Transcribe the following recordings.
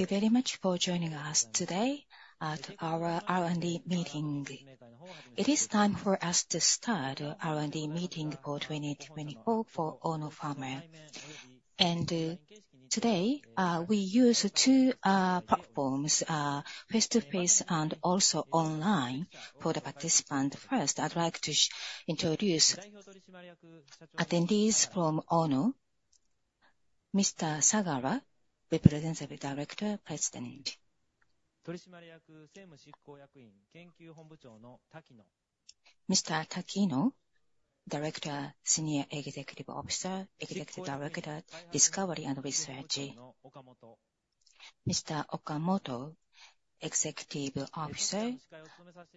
Thank you very much for joining us today at our R&D meeting. It is time for us to start R&D meeting for 2024 for Ono Pharma. And today we use two platforms, face-to-face and also online for the participant. First, I'd like to introduce attendees from Ono, Mr. Sagara, Representative Director, President. Mr. Takino, Director, Senior Executive Officer, Executive Director, Discovery and Research. Mr. Okamoto, Executive Officer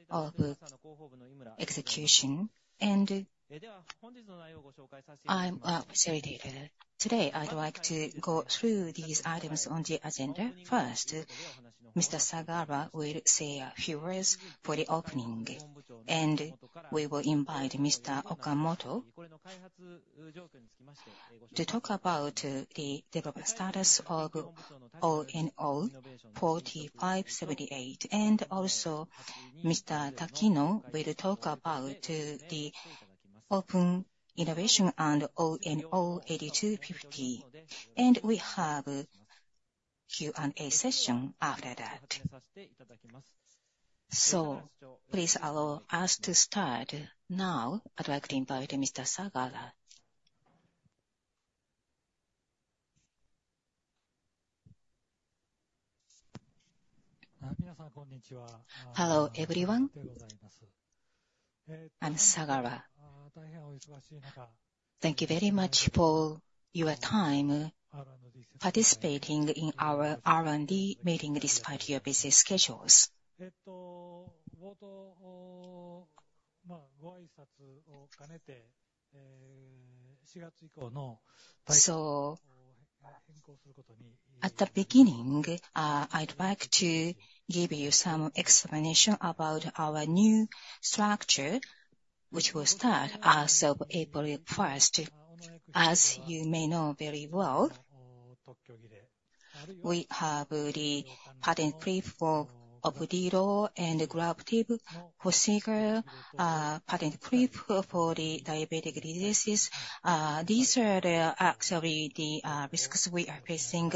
and Executive Director, and I'm facilitator. Today, I'd like to go through these items on the agenda. First, Mr. Sagara will say a few words for the opening, and we will invite Mr. Okamoto to talk about the development status of ONO-4578. And also, Mr. Takino will talk about the open innovation and ONO-8250, and we will have Q&A session after that. So please allow us to start now. I'd like to invite Mr. Sagara. Hello, everyone. I'm Sagara. Thank you very much for your time participating in our R&D meeting, despite your busy schedules. So at the beginning, I'd like to give you some explanation about our new structure, which will start as of April 1st. As you may know very well, we have the patent cliff for Opdivo and the Glactiv for Forxiga, patent cliff for the diabetic diseases. These are the, actually the, risks we are facing,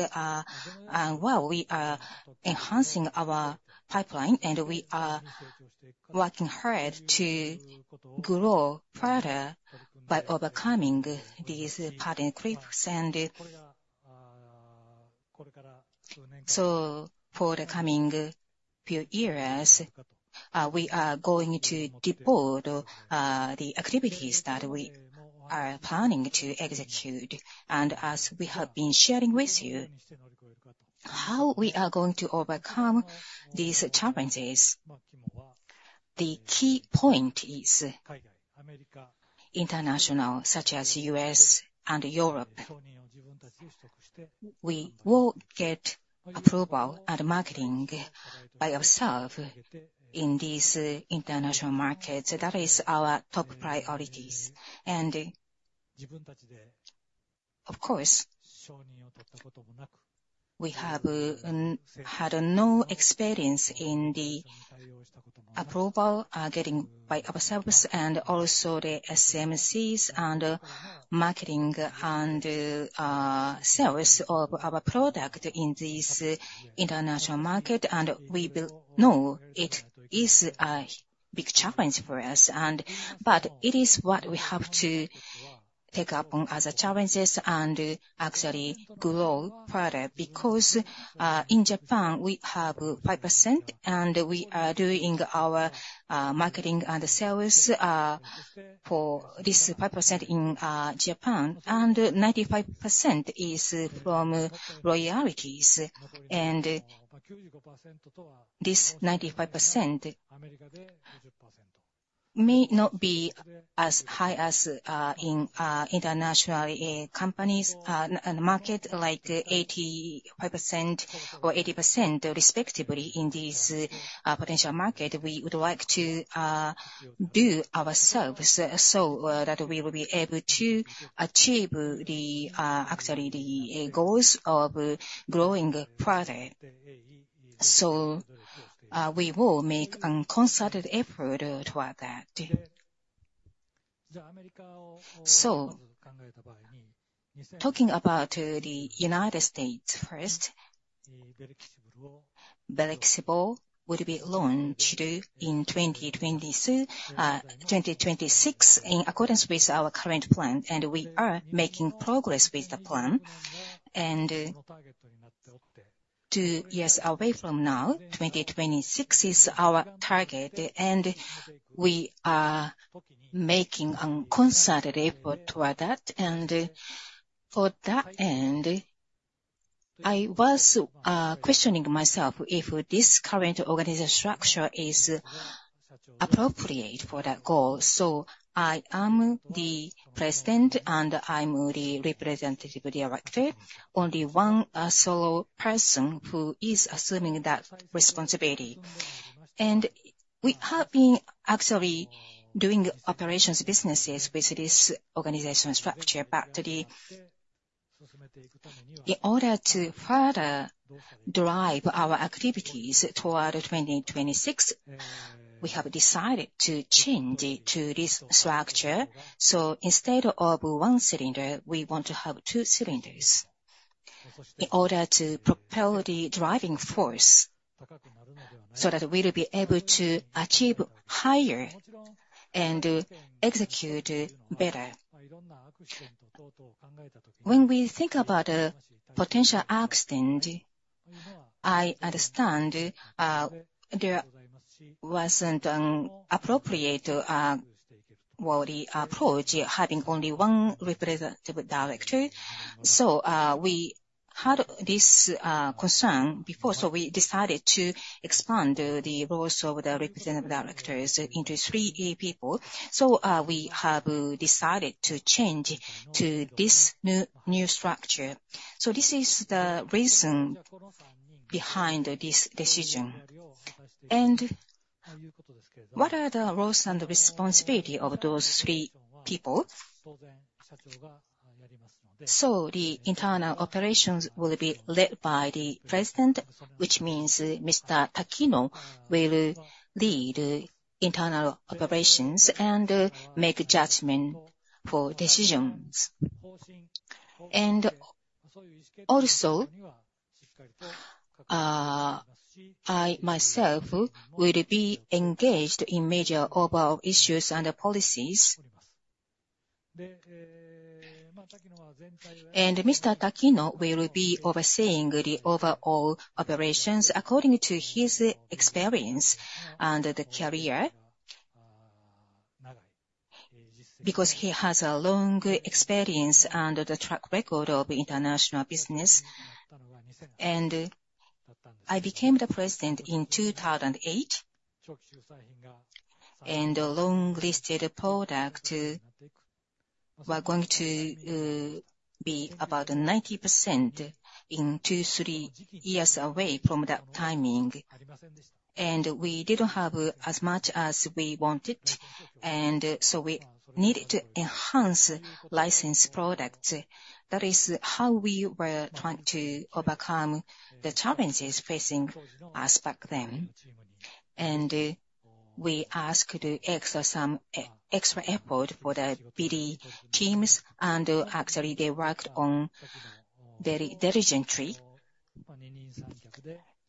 and, well, we are enhancing our pipeline, and we are working hard to grow further by overcoming these patent cliffs. And... So for the coming few years, we are going to deploy, the activities that we are planning to execute. And as we have been sharing with you, how we are going to overcome these challenges, the key point is international, such as U.S. and Europe. We will get approval and marketing by ourselves in these international markets. That is our top priorities. Of course, we have had no experience in the approval getting by ourselves and also the SMCs and marketing and sales of our product in this international market, and we will know it is a big challenge for us. But it is what we have to take up on as a challenges and actually grow further, because in Japan, we have 5%, and we are doing our marketing and sales for this 5% in Japan, and 95% is from royalties. And this 95% may not be as high as in international companies and market, like 85% or 80% respectively in this potential market. We would like to do ourselves, so that we will be able to achieve actually the goals of growing further. So we will make a concerted effort toward that. So talking about the United States first, Velexbru would be launched in 2022, 2026, in accordance with our current plan, and we are making progress with the plan. And two years away from now, 2026 is our target, and we are making a concerted effort toward that. And for that end, I was questioning myself if this current organization structure is appropriate for that goal. So I am the President, and I'm the Representative Director, only one solo person who is assuming that responsibility. And we have been actually doing operations businesses with this organizational structure, but the, in order to further drive our activities toward 2026, we have decided to change it to this structure. So instead of one cylinder, we want to have two cylinders in order to propel the driving force, so that we'll be able to achieve higher and execute better. When we think about a potential accident, I understand, there wasn't an appropriate, well, the approach having only one representative director. So, we had this concern before, so we decided to expand the roles of the representative directors into three people. So, we have decided to change to this new, new structure. So this is the reason behind this decision. And what are the roles and responsibility of those three people? The internal operations will be led by the president, which means Mr. Takino will lead internal operations and make judgment for decisions. And also, I myself will be engaged in major overall issues and policies. And Mr. Takino will be overseeing the overall operations according to his experience and the career, because he has a long experience and the track record of international business. And I became the president in 2008, and the long-listed product were going to be about 90% in two, three years away from that timing. And we didn't have as much as we wanted, and so we needed to enhance licensed products. That is how we were trying to overcome the challenges facing us back then. And we asked to exercise some extra effort for the BD teams, and actually they worked on very diligently.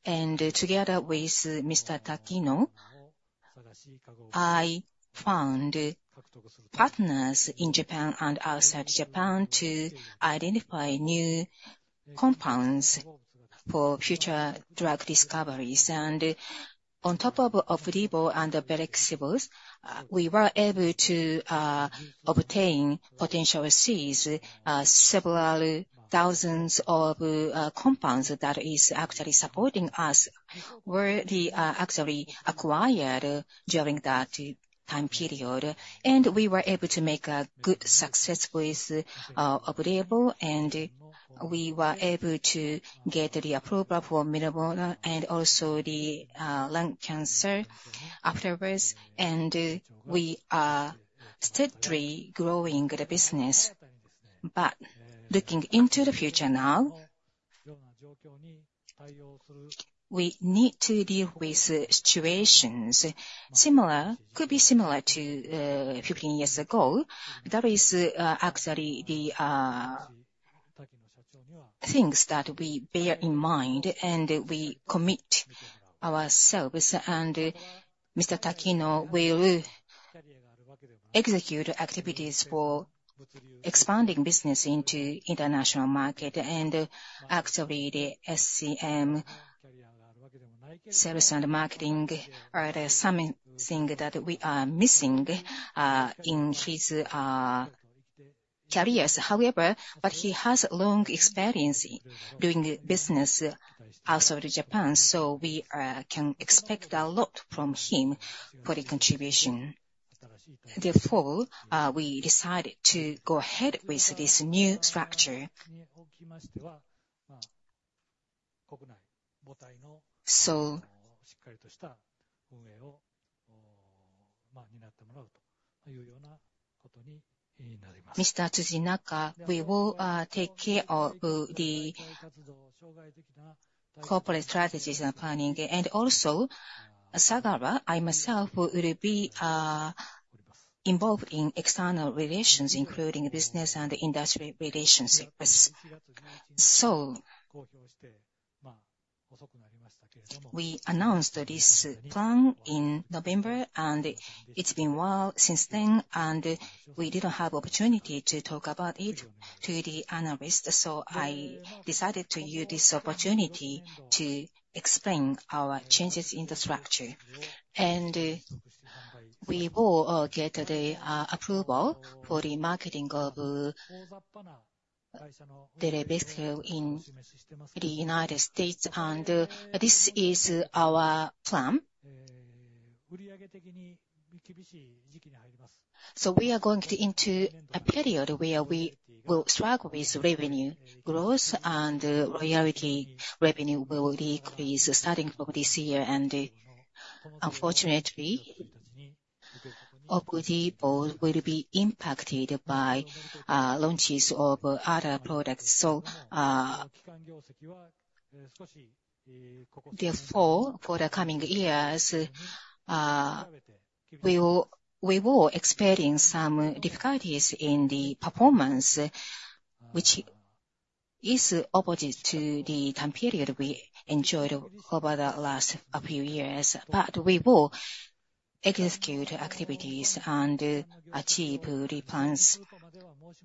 And together with Mr. Takino, I found partners in Japan and outside Japan to identify new compounds for future drug discoveries, and on top of Opdivo and the Bristol's, we were able to obtain potential seeds, several thousands of compounds that is actually supporting us, were actually acquired during that time period, and we were able to make a good success with Opdivo, and we were able to get the approval for Myrbetriq and also the lung cancer afterwards, and we are steadily growing the business, but looking into the future now, we need to deal with situations similar, could be similar to 15 years ago. That is actually the things that we bear in mind, and we commit ourselves, and Mr. Takino will execute activities for expanding business into international market. Actually, the SCM, sales and marketing, are the something that we are missing in his careers. However, but he has long experience in doing business outside of Japan, so we can expect a lot from him for the contribution. Therefore, we decided to go ahead with this new structure. Mr. Tochinaka, we will take care of the corporate strategies and planning. Also, Sagara, I myself, will be involved in external relations, including business and industry relationships. We announced this plan in November, and it's been a while since then, and we didn't have opportunity to talk about it to the analysts, so I decided to use this opportunity to explain our changes in the structure. We will get the approval for the marketing of the Velexbru in the United States, and this is our plan.... So we are going into a period where we will struggle with revenue growth, and royalty revenue will decrease starting from this year, and unfortunately, Opdivo will be impacted by launches of other products. So therefore, for the coming years, we will experience some difficulties in the performance, which is opposite to the time period we enjoyed over the last few years, but we will execute activities and achieve the plans.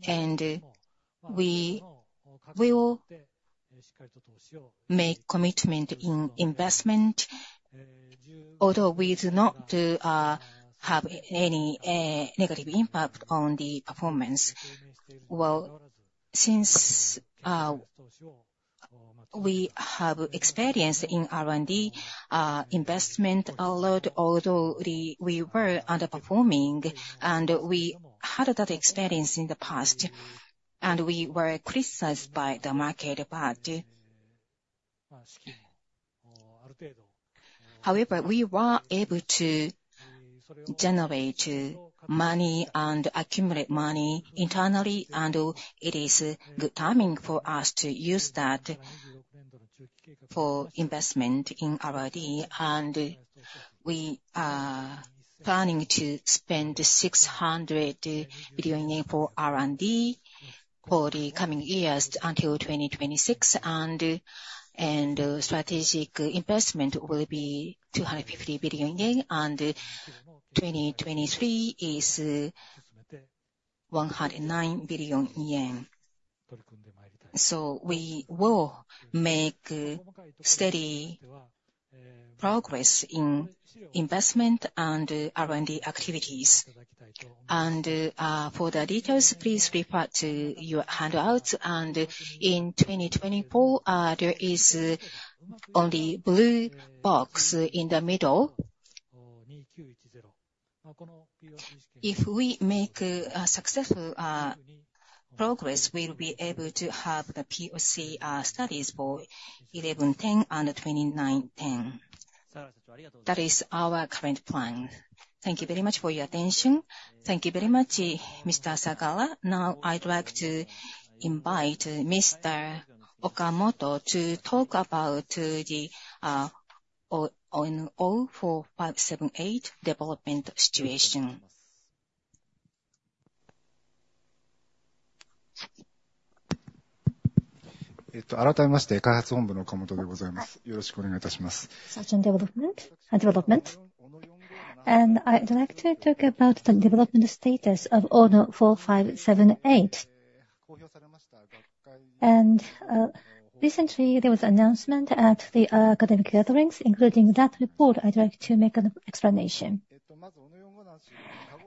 And we will make commitment in investment, although we do not have any negative impact on the performance. Well, since we have experience in R&D investment a lot, although we were underperforming, and we were criticized by the market. But, however, we were able to generate money and accumulate money internally, and it is good timing for us to use that for investment in R&D. We are planning to spend 600 billion JPY for R&D for the coming years until 2026, and strategic investment will be 250 billion yen, and 2023 is 109 billion JPY. So we will make steady progress in investment and R&D activities. For the details, please refer to your handouts. In 2024, there is, on the blue box in the middle. If we make a successful progress, we'll be able to have the POC studies for ONO-1110 and ONO-2910. That is our current plan. Thank you very much for your attention. Thank you very much, Mr. Sagara. Now, I'd like to invite Mr. Okamoto to talk about the ONO-4578 development situation. Research and development. And I'd like to talk about the development status of ONO-4578. And recently, there was an announcement at the academic gatherings, including that report. I'd like to make an explanation.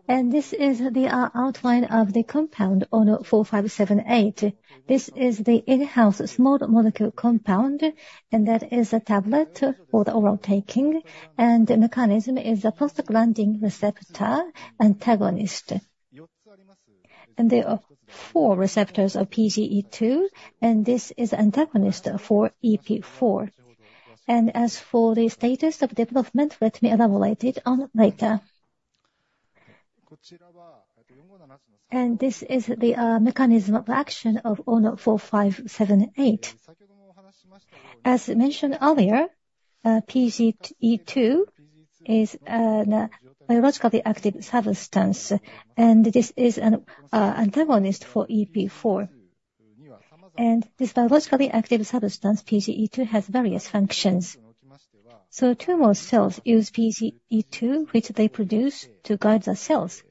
And this is the outline of the compound ONO-4578. This is the in-house small molecule compound, and that is a tablet for the oral taking, and the mechanism is a prostaglandin receptor antagonist. And there are four receptors of PGE2, and this is antagonist for EP4. And as for the status of development, let me elaborate it on later. And this is the mechanism of action of ONO-4578. As mentioned earlier, PGE2 is a biologically active substance, and this is an antagonist for EP4. And this biologically active substance, PGE2, has various functions. Tumor cells use PGE2, which they produce, to guide the cells,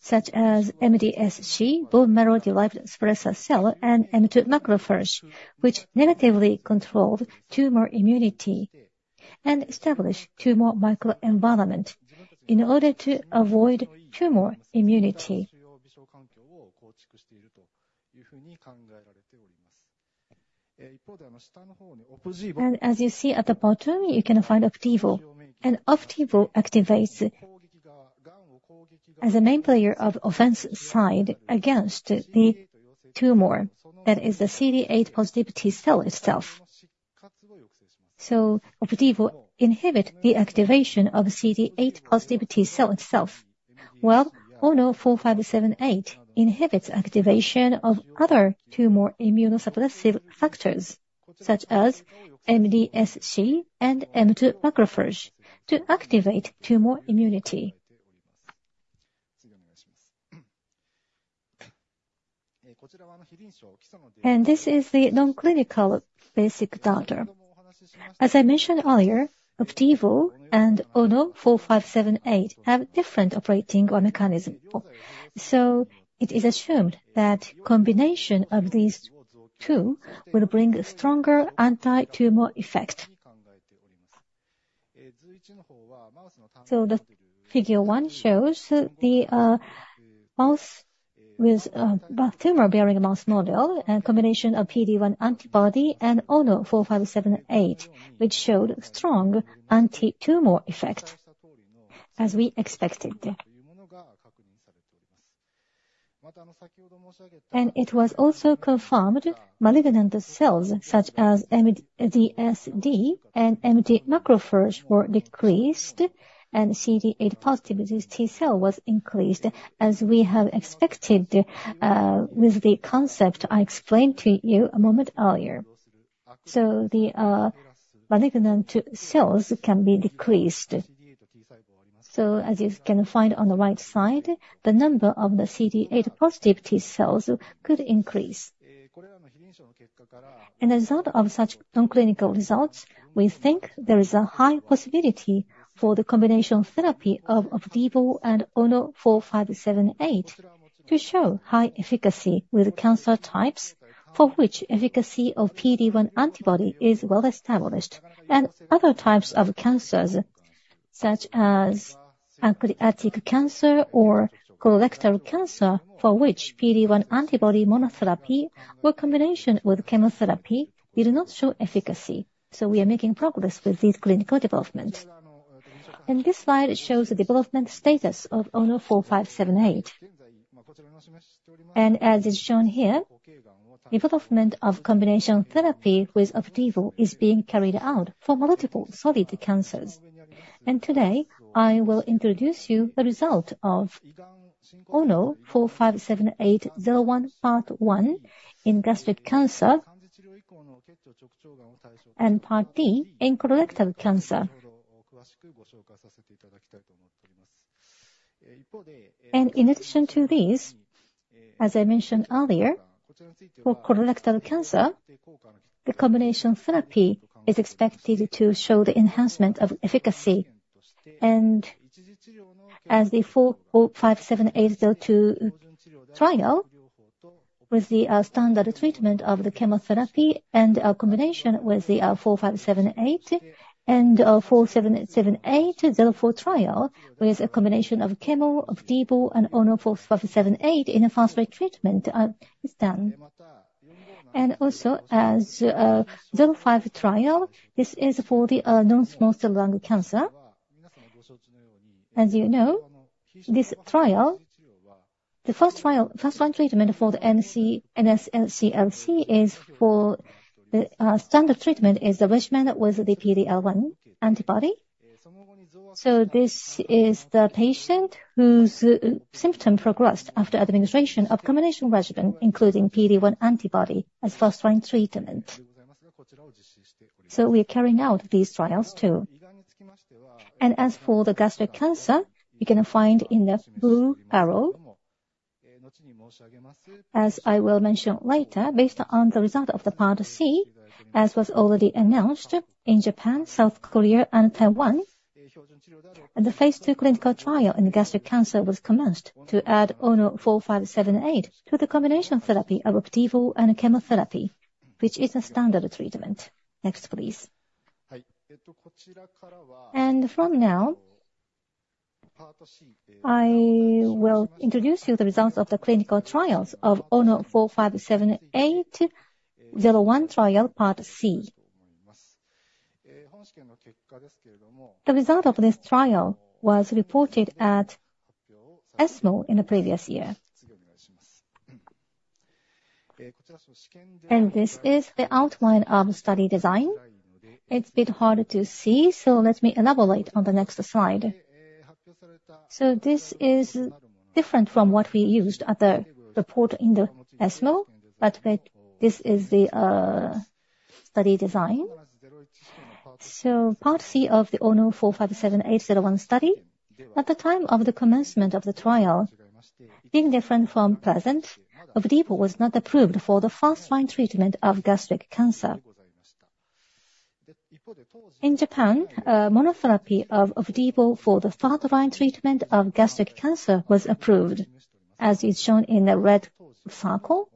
such as MDSC, bone marrow-derived suppressor cell, and M2 macrophage, which negatively control tumor immunity and establish tumor microenvironment in order to avoid tumor immunity. As you see at the bottom, you can find Opdivo. Opdivo activates as a main player of offense side against the tumor, that is the CD8 positivity cell itself. Opdivo inhibit the activation of CD8 positivity cell itself, while ONO-4578 inhibits activation of other tumor immunosuppressive factors, such as MDSC and M2 macrophage, to activate tumor immunity. This is the non-clinical basic data. As I mentioned earlier, Opdivo and ONO-4578 have different operating mechanism. It is assumed that combination of these two will bring a stronger anti-tumor effect. The figure one shows the mouse-... with both tumor-bearing mouse model and combination of PD-1 antibody and ONO-4578, which showed strong anti-tumor effect, as we expected. And it was also confirmed malignant cells, such as MDSC and M2 macrophages were decreased, and CD8 positive T-cell was increased, as we have expected, with the concept I explained to you a moment earlier. So the malignant cells can be decreased. So as you can find on the right side, the number of the CD8 positive T-cells could increase. And as a result of such non-clinical results, we think there is a high possibility for the combination therapy of Opdivo and ONO-4578, to show high efficacy with cancer types, for which efficacy of PD-1 antibody is well-established. And other types of cancers, such as pancreatic cancer or colorectal cancer, for which PD-1 antibody monotherapy or combination with chemotherapy did not show efficacy. We are making progress with this clinical development. This slide shows the development status of ONO-4578. As is shown here, development of combination therapy with Opdivo is being carried out for multiple solid cancers. Today, I will introduce you the result of ONO-4578-01, Part 1 in gastric cancer, and Part D in colorectal cancer. In addition to these, as I mentioned earlier, for colorectal cancer, the combination therapy is expected to show the enhancement of efficacy. As the ONO-4578-02 trial, with the standard treatment of the chemotherapy and a combination with the 4578, and ONO-4578-04 trial, with a combination of chemo, Opdivo and ONO-4578 in a first-line treatment, is done. Also as zero five trial, this is for the non-small cell lung cancer. As you know, this trial, first-line treatment for the non-small cell NSCLC is for standard treatment is the regimen with the PD-L1 antibody. So this is the patient whose symptom progressed after administration of combination regimen, including PD-1 antibody as first-line treatment. So we're carrying out these trials, too. And as for the gastric cancer, you're gonna find in the blue arrow. As I will mention later, based on the result of the Part C, as was already announced in Japan, South Korea, and Taiwan, the phase 2 clinical trial in gastric cancer was commenced to add ONO-4578 to the combination therapy of Opdivo and chemotherapy, which is a standard treatment. Next, please. And from now, I will introduce you the results of the clinical trials of ONO-4578-01 trial, Part C. The result of this trial was reported at ESMO in the previous year. This is the outline of study design. It's a bit harder to see, so let me elaborate on the next slide. This is different from what we used at the report in the ESMO, but wait, this is the study design. Part C of the ONO-4578-01 study, at the time of the commencement of the trial, being different from present, Opdivo was not approved for the first-line treatment of gastric cancer. In Japan, monotherapy of Opdivo for the first-line treatment of gastric cancer was approved, as is shown in the red circle,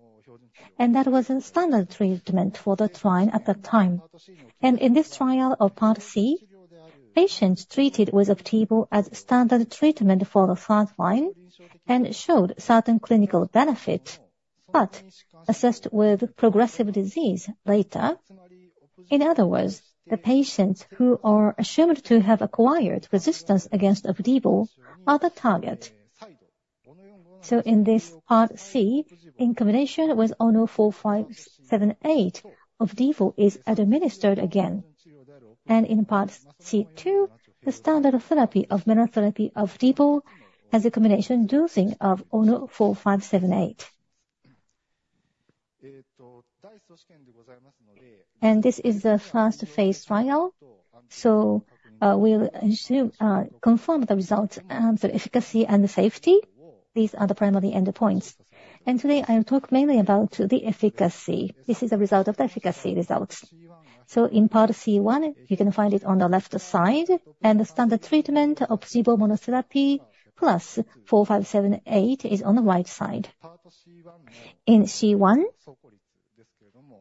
and that was the standard treatment for the trial at that time. In this trial of Part C, patients treated with Opdivo as standard treatment for the first-line, and showed certain clinical benefit, but assessed with progressive disease later. In other words, the patients who are assumed to have acquired resistance against Opdivo are the target. So in this Part C, in combination with Ono four, five, seven, eight, Opdivo is administered again. And in Part C2, the standard therapy of monotherapy Opdivo as a combination dosing of Ono four, five, seven, eight. And this is the phase 1 trial, so we'll confirm the results and the efficacy and the safety. These are the primary endpoints. And today, I'll talk mainly about the efficacy. This is the result of the efficacy results. So in Part C1, you can find it on the left side, and the standard treatment Opdivo monotherapy plus four, five, seven, eight is on the right side. In C1,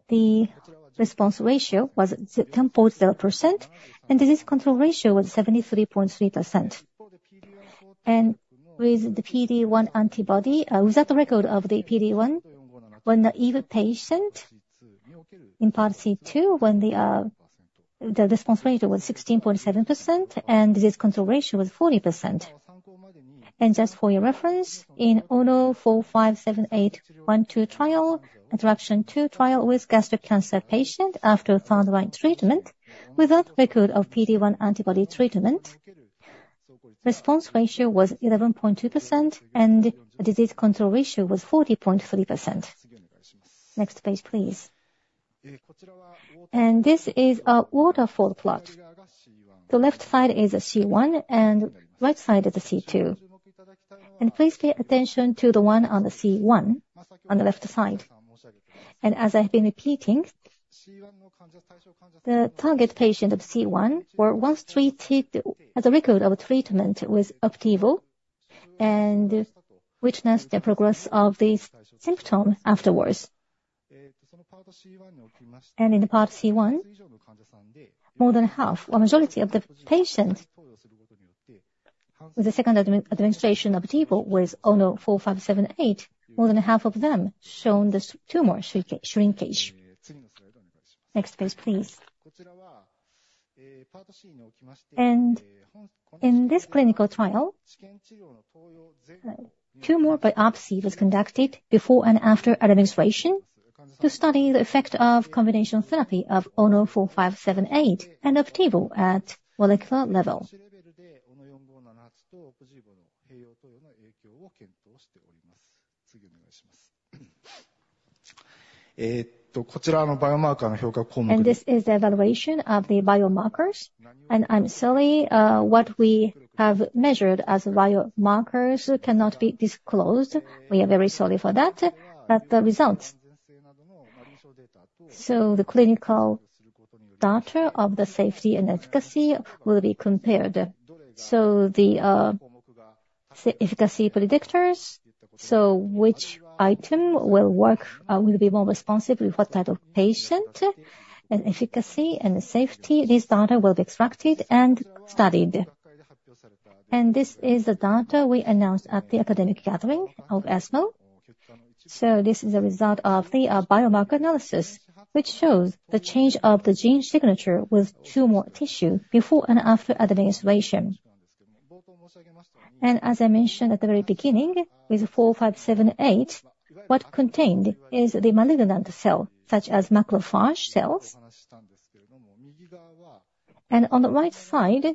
the response ratio was 10.0%, and disease control ratio was 73.3%. With the PD-1 antibody, without a record of the PD-1, in evaluable patients in Part C-2, the response ratio was 16.7%, and disease control ratio was 40%. Just for your reference, in ONO-4578 phase 2 trial with gastric cancer patients after frontline treatment, without record of PD-1 antibody treatment, response ratio was 11.2%, and disease control ratio was 40.3%. Next page, please. This is a waterfall plot. The left side is C-1, and right side is the C-2. Please pay attention to the one on the C-1, on the left side. As I've been repeating, the target patients of C-1 were once treated, with a record of treatment with Opdivo, and experienced disease progression afterwards. And in the Part C-1, more than half, or majority of the patients, the second administration of Opdivo was ONO-4578. More than half of them shown this tumor shrinkage. Next page, please. And in this clinical trial, tumor biopsy was conducted before and after administration to study the effect of combination therapy of ONO-4578 and Opdivo at molecular level. And this is the evaluation of the biomarkers. And I'm sorry, what we have measured as biomarkers cannot be disclosed. We are very sorry for that, but the results. So the clinical data of the safety and efficacy will be compared. So the efficacy predictors, so which item will work, will be more responsive with what type of patient, and efficacy and safety, this data will be extracted and studied. And this is the data we announced at the academic gathering of ESMO. So this is a result of the biomarker analysis, which shows the change of the gene signature with tumor tissue before and after administration. And as I mentioned at the very beginning, with ONO-4578, what contained is the malignant cell, such as macrophage cells. And on the right side,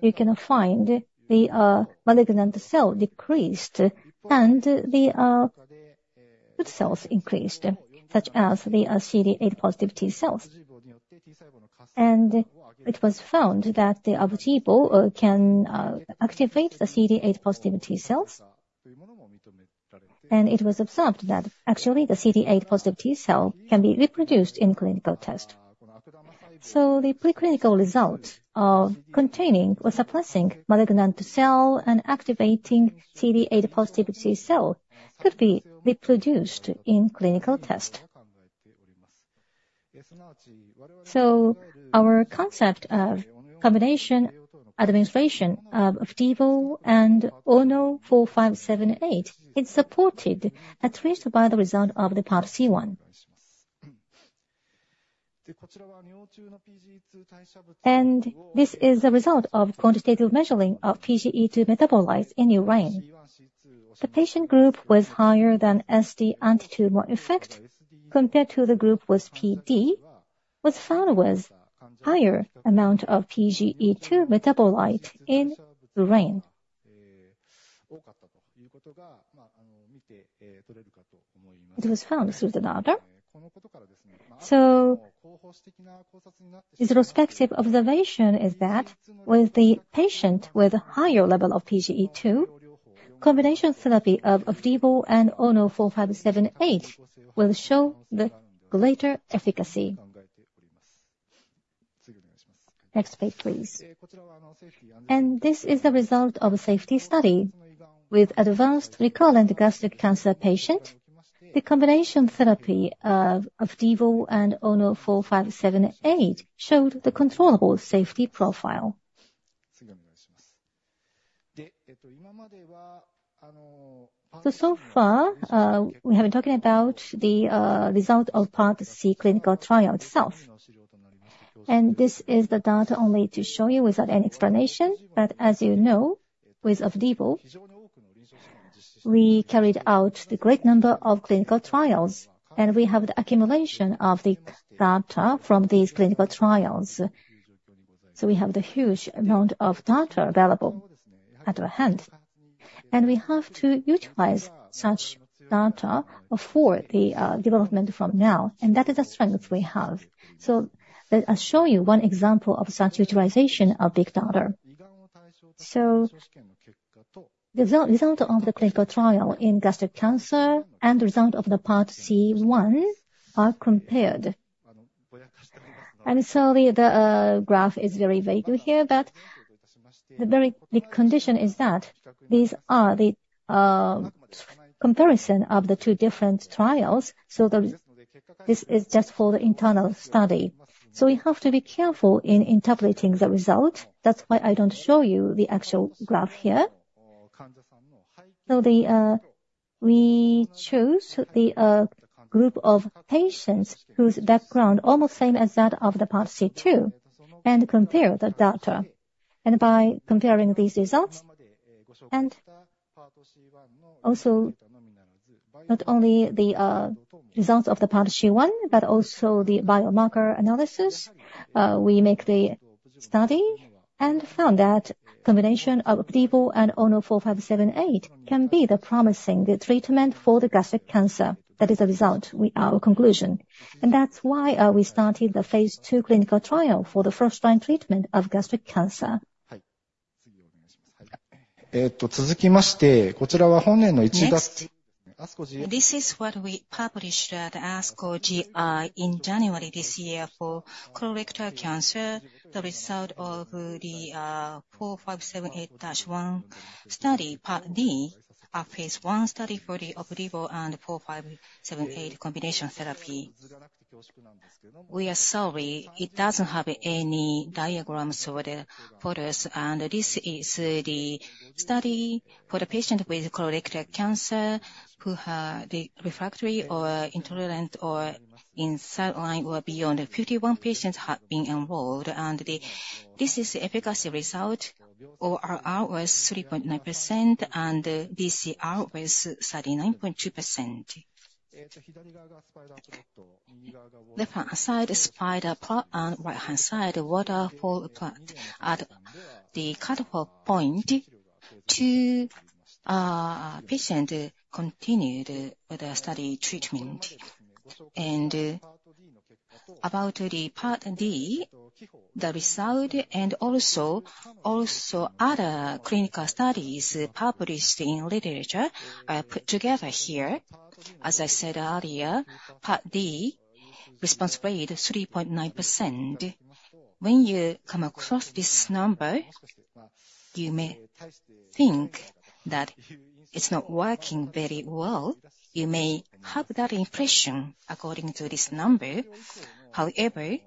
you can find the malignant cell decreased, and the good cells increased, such as the CD8 positive T-cells. And it was found that the Opdivo can activate the CD8 positive T-cells. And it was observed that actually, the CD8 positive T-cell can be reproduced in clinical test. So the preclinical results are containing or suppressing malignant cell and activating CD8 positive T-cell, could be reproduced in clinical test. So our concept of combination administration of Opdivo and ONO-4578 is supported, at least by the result of the Part C-1. This is a result of quantitative measuring of PGE2 metabolites in urine. The patient group was higher than SD anti-tumor effect compared to the group with PD, was found with higher amount of PGE2 metabolite in urine. It was found through the data. The respective observation is that with the patient with a higher level of PGE2, combination therapy of Opdivo and ONO-4578 will show the greater efficacy. Next page, please. This is the result of a safety study. With advanced recurrent gastric cancer patient, the combination therapy of Opdivo and ONO-4578 showed the controllable safety profile. So far, we have been talking about the result of Part C clinical trial itself. This is the data only to show you without any explanation. But as you know, with Opdivo, we carried out the great number of clinical trials, and we have the accumulation of the data from these clinical trials. So we have the huge amount of data available at our hand, and we have to utilize such data for the development from now, and that is the strength we have. So let us show you one example of such utilization of big data. So the result of the clinical trial in gastric cancer and the result of the Part C-1 are compared. And sorry, the graph is very vague in here, but- ... The very big condition is that these are the comparison of the two different trials, so this is just for the internal study. So we have to be careful in interpreting the result. That's why I don't show you the actual graph here. So we chose the group of patients whose background almost same as that of the Part C2, and compare the data, and by comparing these results, and also not only the results of the Part C1, but also the biomarker analysis, we make the study and found that combination of Opdivo and ONO-4578 can be the promising, the treatment for the gastric cancer. That is the result, our conclusion, and that's why we started the phase 2 clinical trial for the first-line treatment of gastric cancer. Next, this is what we published at ASCO GI in January this year for colorectal cancer. The result of the 4578-1 study, Part D, a phase one study for the Opdivo and 4578 combination therapy. We are sorry, it doesn't have any diagrams or the photos, and this is the study for the patient with colorectal cancer, who have the refractory or intolerant or in third line or beyond. Fifty-one patients have been enrolled, and this is the efficacy result. ORR was 3.9%, and DCR was 39.2%. Left-hand side, spider plot, and right-hand side, waterfall plot. At the cutoff point, two patient continued with the study treatment. About the Part D, the result and also other clinical studies published in literature are put together here. As I said earlier, Part D response rate is 3.9%. When you come across this number, you may think that it's not working very well. You may have that impression according to this number. However,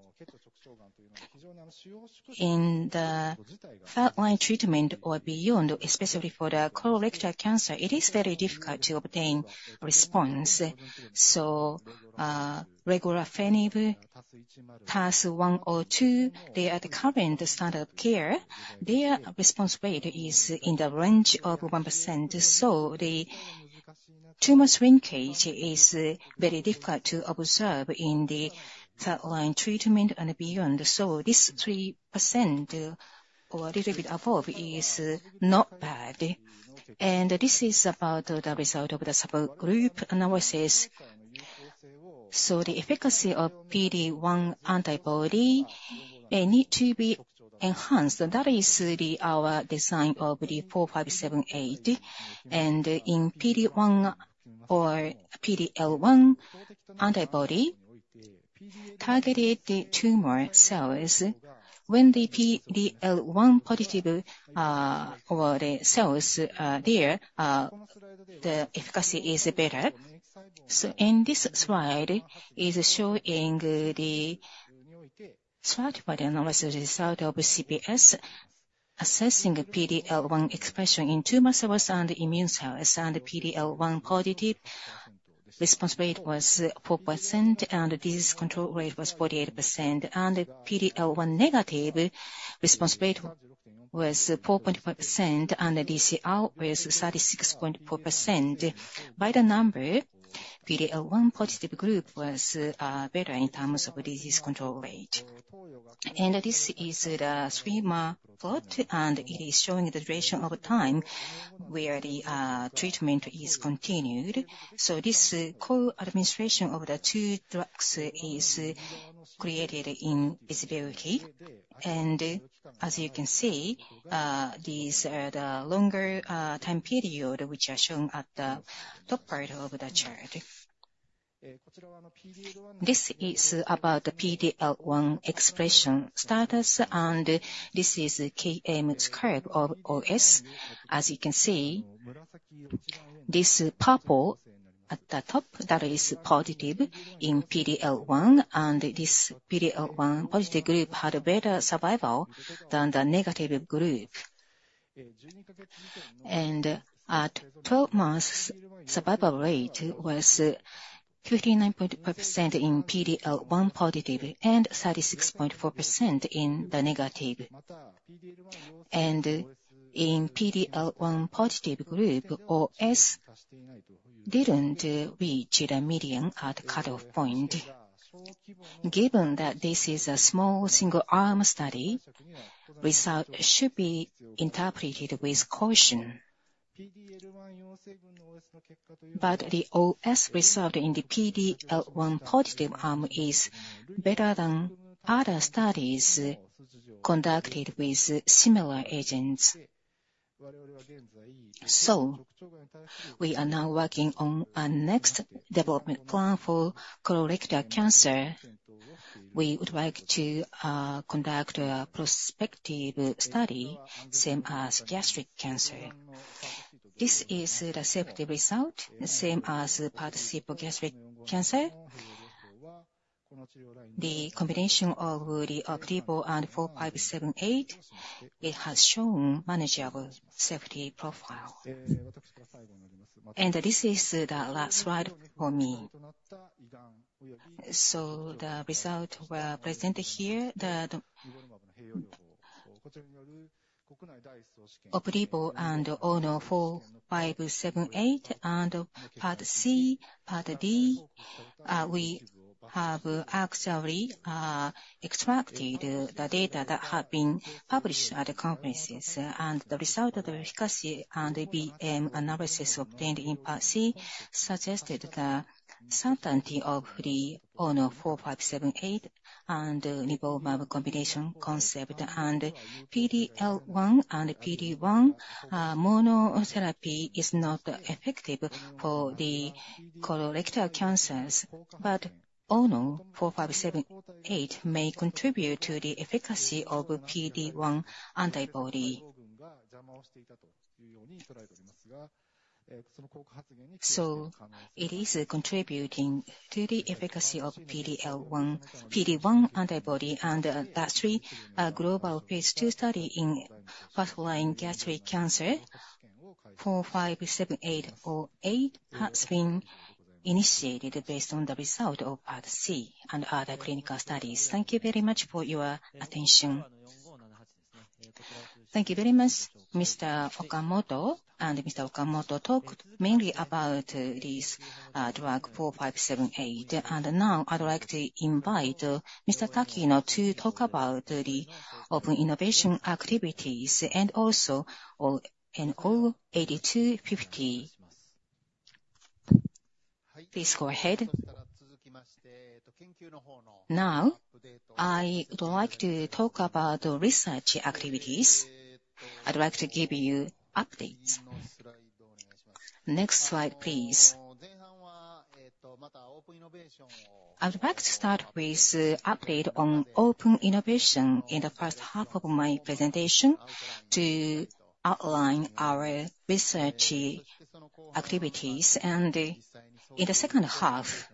in the third-line treatment or beyond, especially for the colorectal cancer, it is very difficult to obtain response. So, Regorafenib, TAS-102, they are the current standard of care. Their response rate is in the range of 1%, so the tumor shrinkage is very difficult to observe in the third-line treatment and beyond. So this 3%, or a little bit above, is not bad. And this is about the result of the subgroup analysis. So the efficacy of PD-1 antibody need to be enhanced, and that is the, our design of the 4578. And in PD-1 or PD-L1 antibody, targeted the tumor cells. When the PD-L1 positive, or the cells are there, the efficacy is better. So in this slide is showing the stratified analysis result of CPS, assessing PD-L1 expression in tumor cells and immune cells, and PD-L1 positive response rate was 4%, and the disease control rate was 48%. And PD-L1 negative response rate was 4.5%, and the DCR was 36.4%. By the number, PD-L1 positive group was better in terms of disease control rate. And this is the three-month plot, and it is showing the duration over time where the treatment is continued. So this co-administration of the two drugs is created in visibility. And as you can see, these are the longer time period, which are shown at the top part of the chart. This is about the PD-L1 expression status, and this is the KM curve of OS. As you can see, this purple at the top, that is positive in PD-L1, and this PD-L1 positive group had a better survival than the negative group, and at twelve months, survival rate was 59.5% in PD-L1 positive, and 36.4% in the negative, and in PD-L1 positive group, OS didn't reach the median at cutoff point. Given that this is a small single-arm study, result should be interpreted with caution, but the OS result in the PD-L1 positive arm is better than other studies conducted with similar agents, so we are now working on our next development plan for colorectal cancer.... We would like to conduct a prospective study, same as gastric cancer. This is the safety result, the same as participant for gastric cancer. The combination of the Opdivo and ONO-4578, it has shown manageable safety profile. This is the last slide for me. The result were presented here that Opdivo and ONO-4578, and part C, part D, we have actually extracted the data that have been published at the conferences. The result of the efficacy and the BM analysis obtained in part C suggested the certainty of the ONO-4578 and nivolumab combination concept. PD-L1 and PD-1 monotherapy is not effective for the colorectal cancers, but ONO-4578 may contribute to the efficacy of PD-1 antibody. It is contributing to the efficacy of PD-L1, PD-1 antibody. The three global phase 2 study in first-line gastric cancer, ONO-4578 monotherapy, has been initiated based on the result of part C and other clinical studies. Thank you very much for your attention. Thank you very much, Mr. Okamoto. Mr. Okamoto talked mainly about this drug, ONO-4578. Now I'd like to invite Mr. Takino to talk about the open innovation activities and also ONO-4578. Please go ahead. Now, I would like to talk about the research activities. I'd like to give you updates. Next slide, please. I'd like to start with the update on open innovation in the first half of my presentation to outline our research activities. In the second half,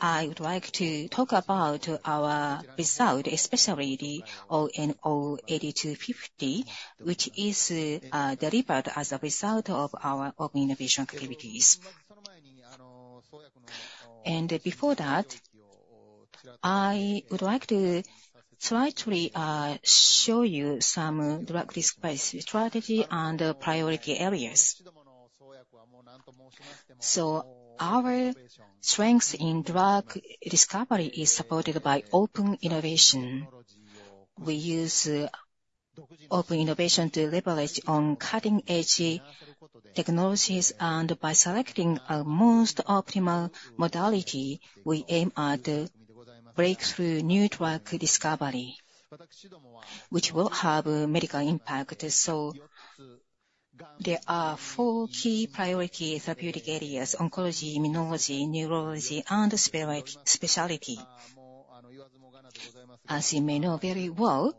I would like to talk about our result, especially the ONO-4578, which is delivered as a result of our open innovation activities. Before that, I would like to slightly show you some drug discovery strategy and priority areas, so our strength in drug discovery is supported by open innovation. We use open innovation to leverage on cutting-edge technologies, and by selecting our most optimal modality, we aim at breakthrough new drug discovery, which will have a medical impact, so there are four key priority therapeutic areas: oncology, immunology, neurology, and specialty. As you may know very well,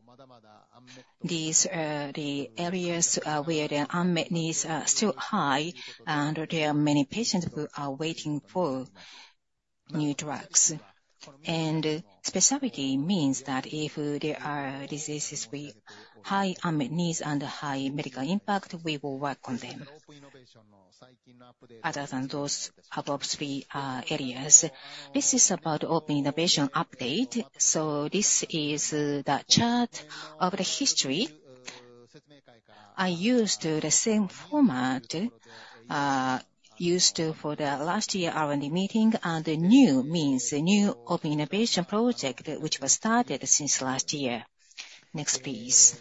these are the areas where the unmet needs are still high, and there are many patients who are waiting for new drugs, and specialty means that if there are diseases with high unmet needs and high medical impact, we will work on them, other than those above three areas. This is about open innovation update, so this is the chart of the history. I used the same format used for the last year R&D meeting, and the new means, the new open innovation project, which was started since last year. Next, please.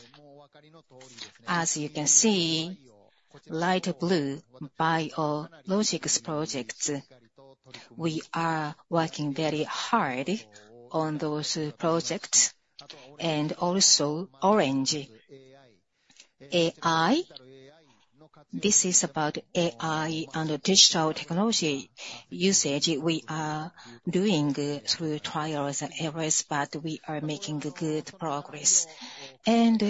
As you can see, lighter blue, biologics projects. We are working very hard on those projects. And also orange, AI. This is about AI and digital technology usage. We are doing through trials and errors, but we are making good progress. And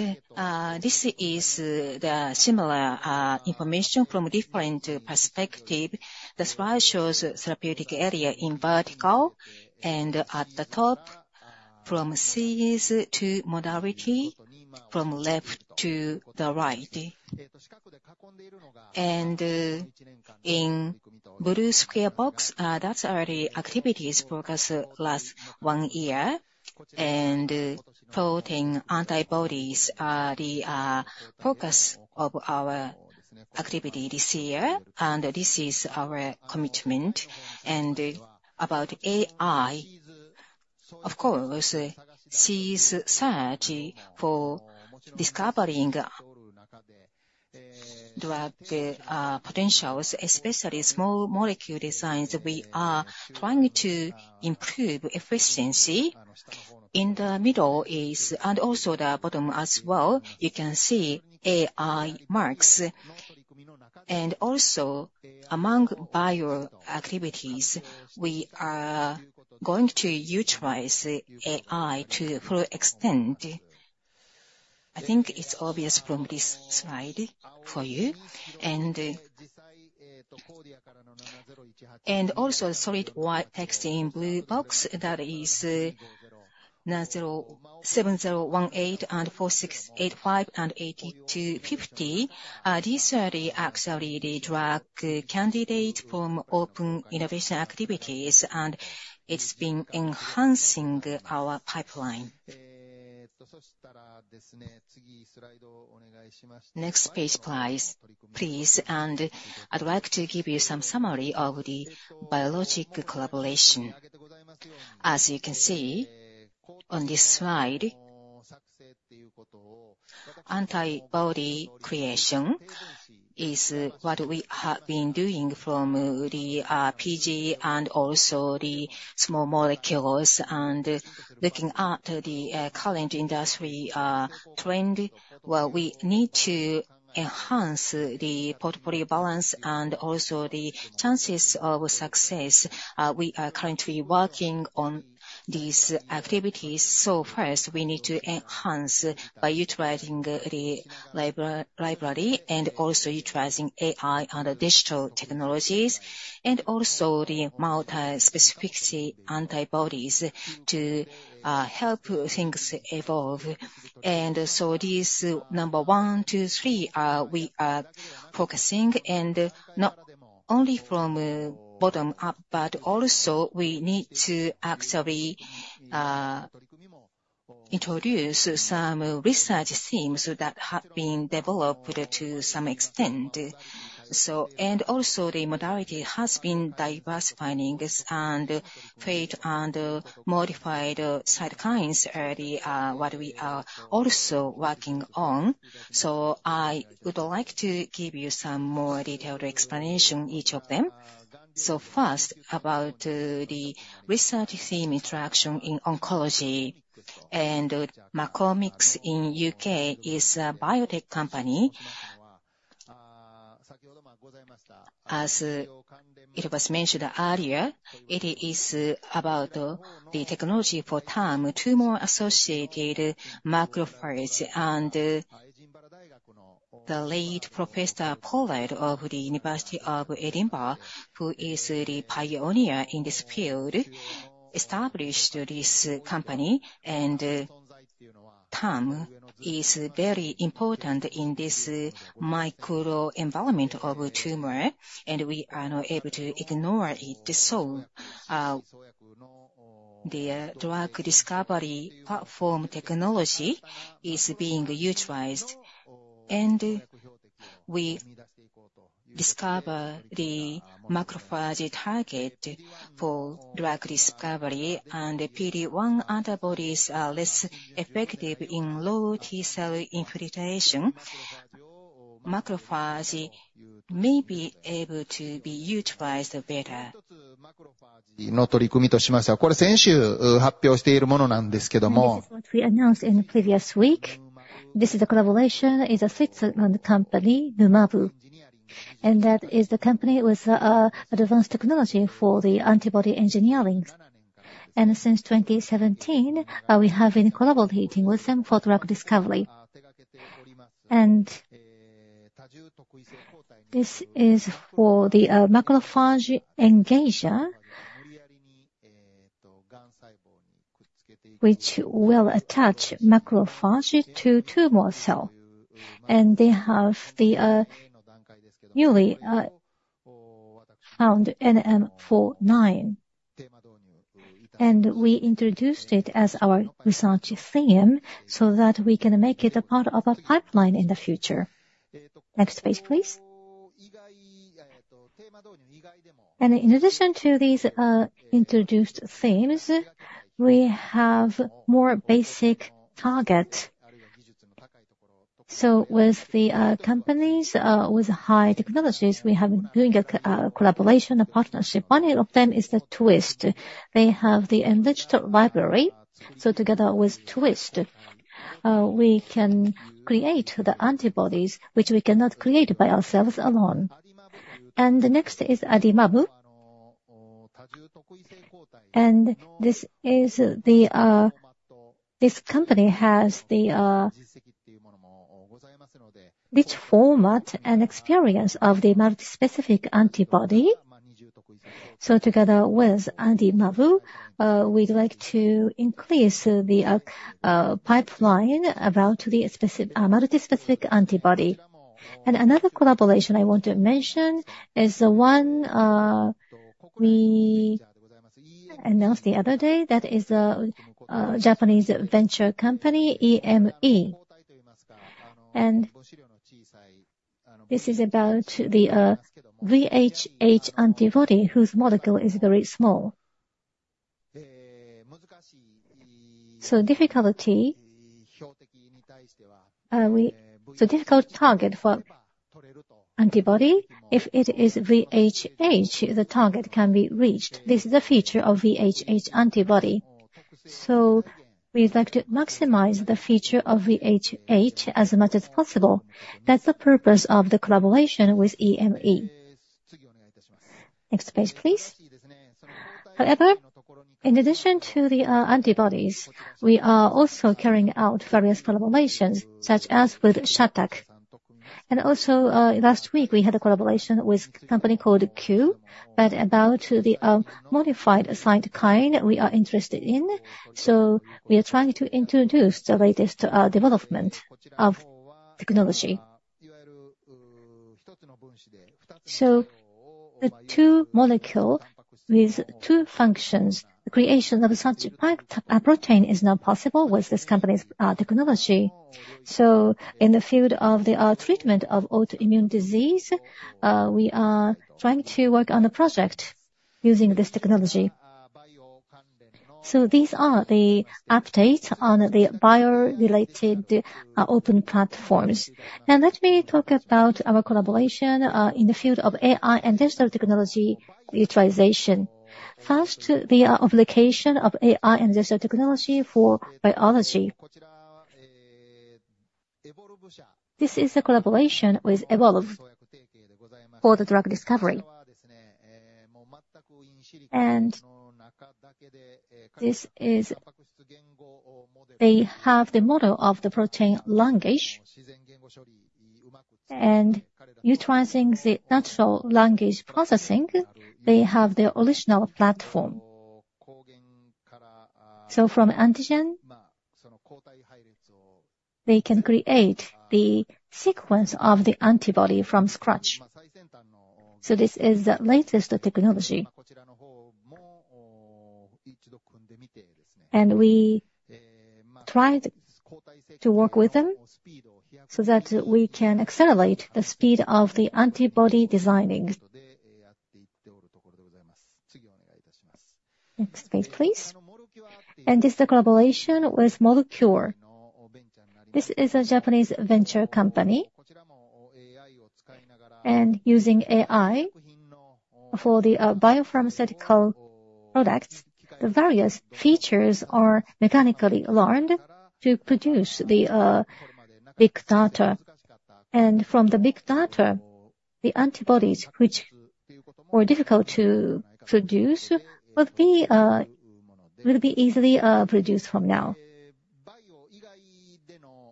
this is the similar information from a different perspective. The slide shows therapeutic area in vertical, and at the top, from Cs to modality, from left to the right. And in blue square box, that's our activities progress last one year, and protein antibodies are the focus of our activity this year, and this is our commitment. And about AI, of course, it sees search for discovering drug potentials, especially small molecule designs. We are trying to improve efficiency. In the middle is... And also the bottom as well, you can see AI marks.... and also, among bio activities, we are going to utilize AI to full extent. I think it's obvious from this slide for you. Also, solid white text in blue box, that is, ONO-7018, ONO-4685, and ONO-8250. These are actually the drug candidate from open innovation activities, and it's been enhancing our pipeline. Next page, please. I'd like to give you some summary of the biologic collaboration. As you can see on this slide, antibody creation is what we have been doing from the PG and also the small molecules. Looking at the current industry trend, well, we need to enhance the portfolio balance and also the chances of success. We are currently working on these activities. So first, we need to enhance by utilizing the library, and also utilizing AI and digital technologies, and also the multispecific antibodies to help things evolve. And so these number one, two, three, are, we are focusing, and not only from bottom up, but also we need to actually introduce some research themes that have been developed to some extent. So, and also, the modality has been diversifying, this, and Fate and modified cytokines are the what we are also working on. So I would like to give you some more detailed explanation, each of them. So first, about the research theme interaction in oncology, and Macomics in U.K. is a biotech company. As it was mentioned earlier, it is about the technology for TAM, Tumor-Associated Macrophages. The late Professor Pollard of the University of Edinburgh, who is the pioneer in this field, established this company. TAM is very important in this microenvironment of tumor, and we are not able to ignore it. Their drug discovery platform technology is being utilized, and we discover the macrophage target for drug discovery, and the PD-1 antibodies are less effective in low T-cell infiltration. Macrophages may be able to be utilized better. This is what we announced in the previous week. This is a collaboration, is a Switzerland company, Numab, and that is the company with advanced technology for the antibody engineering. Since 2017, we have been collaborating with them for drug discovery. This is for the macrophage engager, which will attach macrophage to tumor cell. They have the newly found NM49. And we introduced it as our research theme, so that we can make it a part of our pipeline in the future. Next page, please. And in addition to these introduced themes, we have more basic target. So with the companies with high technologies, we have been doing a collaboration, a partnership. One of them is the Twist. They have the in silico library, so together with Twist, we can create the antibodies, which we cannot create by ourselves alone. And the next is Adimab. And this is the this company has the rich format and experience of the multispecific antibody. So together with Adimab, we'd like to increase the pipeline about the multispecific antibody. And another collaboration I want to mention is the one we announced the other day. That is a Japanese venture company, EME. And this is about the VHH antibody, whose molecule is very small. So difficult target for antibody. If it is VHH, the target can be reached. This is the feature of VHH antibody. So we'd like to maximize the feature of VHH as much as possible. That's the purpose of the collaboration with EME.... Next page, please. However, in addition to the antibodies, we are also carrying out various collaborations, such as with Shattuck. And also, last week, we had a collaboration with company called Q, but about the modified cytokine we are interested in. So we are trying to introduce the latest development of technology. So the two molecule with two functions, the creation of such a protein is now possible with this company's technology. So in the field of the treatment of autoimmune disease, we are trying to work on a project using this technology. So these are the updates on the bio-related open platforms. Now, let me talk about our collaboration in the field of AI and digital technology utilization. First, the application of AI and digital technology for biology. This is a collaboration with Evozyne for the drug discovery. And this is... They have the model of the protein language, and utilizing the natural language processing, they have their original platform. So from antigen, they can create the sequence of the antibody from scratch. So this is the latest technology. And we tried to work with them so that we can accelerate the speed of the antibody designing. Next page, please. And this is the collaboration with MolCure. This is a Japanese venture company. And using AI for the biopharmaceutical products, the various features are mechanically learned to produce the big data. And from the big data, the antibodies, which were difficult to produce, will be easily produced from now.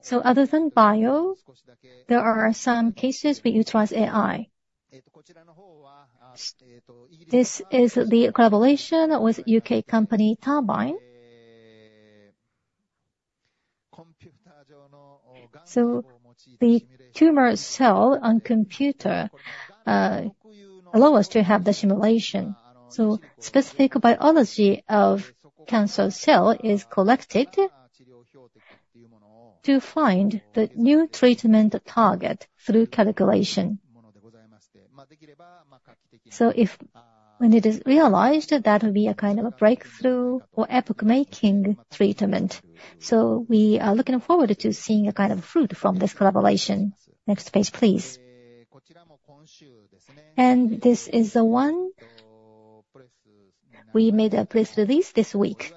So other than bio, there are some cases we utilize AI. This is the collaboration with U.K. company, Turbine. The tumor cell on computer allow us to have the simulation. Specific biology of cancer cell is collected to find the new treatment target through calculation. If, when it is realized, that will be a kind of a breakthrough or epoch-making treatment. We are looking forward to seeing a kind of fruit from this collaboration. Next page, please. This is the one we made a press release this week.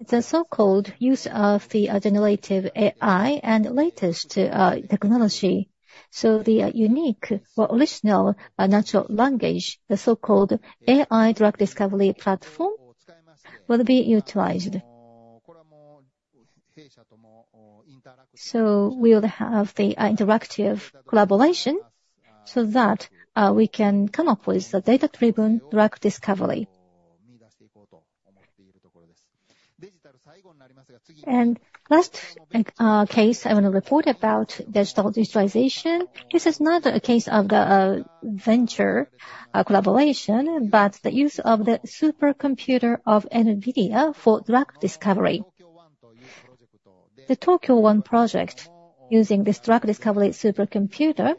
It's a so-called use of the generative AI and latest technology. The unique or original natural language, the so-called AI drug discovery platform, will be utilized. We'll have the interactive collaboration so that we can come up with the data-driven drug discovery. Last case, I want to report about digitalization. This is not a case of the venture collaboration, but the use of the supercomputer of NVIDIA for drug discovery. The Tokyo-1 project, using this drug discovery supercomputer,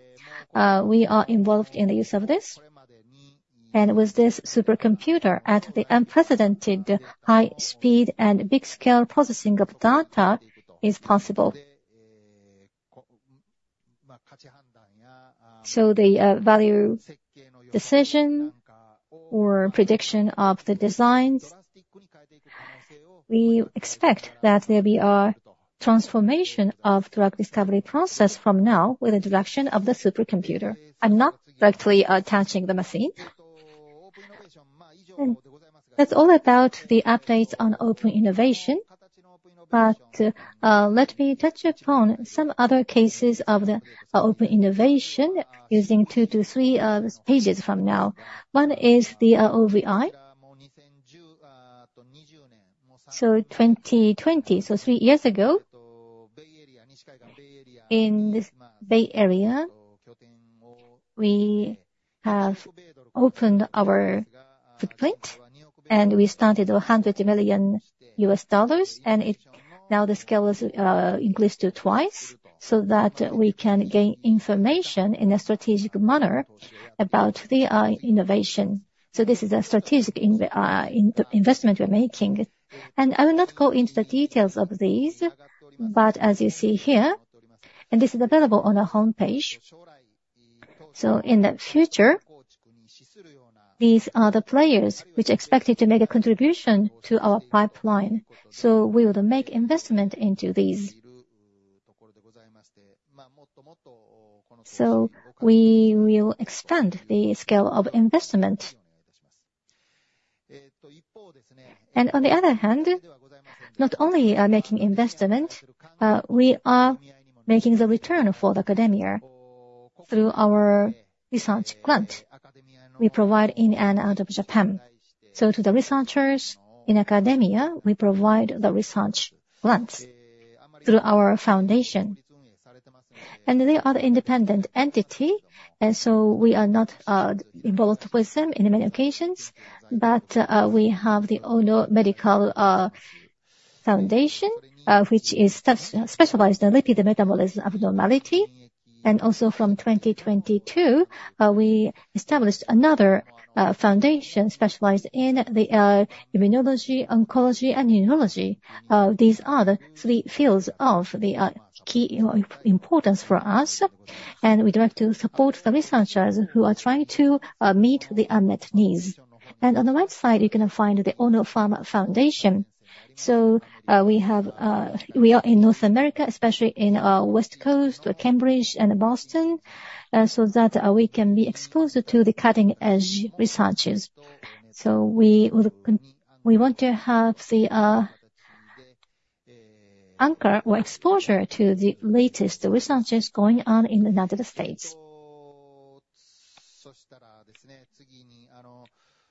we are involved in the use of this. And with this supercomputer, at the unprecedented high speed and big scale processing of data is possible. So the value decision or prediction of the designs, we expect that there'll be a transformation of drug discovery process from now with the direction of the supercomputer. I'm not directly attaching the machine. That's all about the updates on open innovation. But let me touch upon some other cases of the open innovation using two to three pages from now. One is the OVI. 2020, three years ago, in this Bay Area, we have opened our footprint, and we started $100 million, and now the scale has increased to twice, so that we can gain information in a strategic manner about the innovation. This is a strategic investment we're making. I will not go into the details of these, but as you see here, and this is available on our homepage, in the future, these are the players which are expected to make a contribution to our pipeline. We would make investment into these. We will expand the scale of investment. On the other hand, not only are making investment, we are making the return for the academia through our research grant we provide in and out of Japan. To the researchers in academia, we provide the research grants through our foundation. They are the independent entity, and so we are not involved with them in many occasions, but we have the Ono Medical Foundation, which is specialized in lipid metabolism abnormality. Also from 2022, we established another foundation specialized in the immunology, oncology, and neurology. These are the three fields of the key importance for us, and we would like to support the researchers who are trying to meet the unmet needs. On the right side, you're gonna find the Ono Pharma Foundation. We are in North America, especially in West Coast, Cambridge, and Boston, so that we can be exposed to the cutting-edge researches. So we would want to have the anchor or exposure to the latest researches going on in the United States.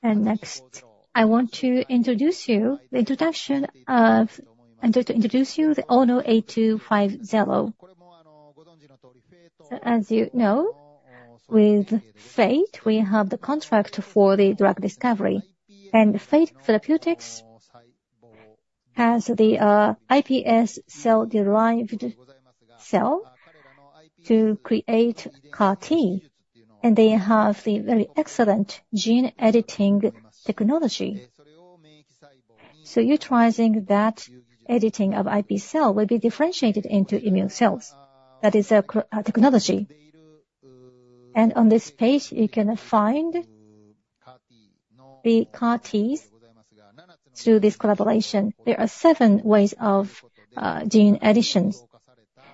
And next, I want to introduce you the introduction of. I'm going to introduce you the ONO-8250. As you know, with FATE, we have the contract for the drug discovery. And Fate Therapeutics has the iPS cell-derived cell to create CAR T, and they have the very excellent gene editing technology. So utilizing that editing of iPS cell will be differentiated into immune cells. That is our technology. And on this page, you can find the CAR Ts through this collaboration. There are seven ways of gene editing.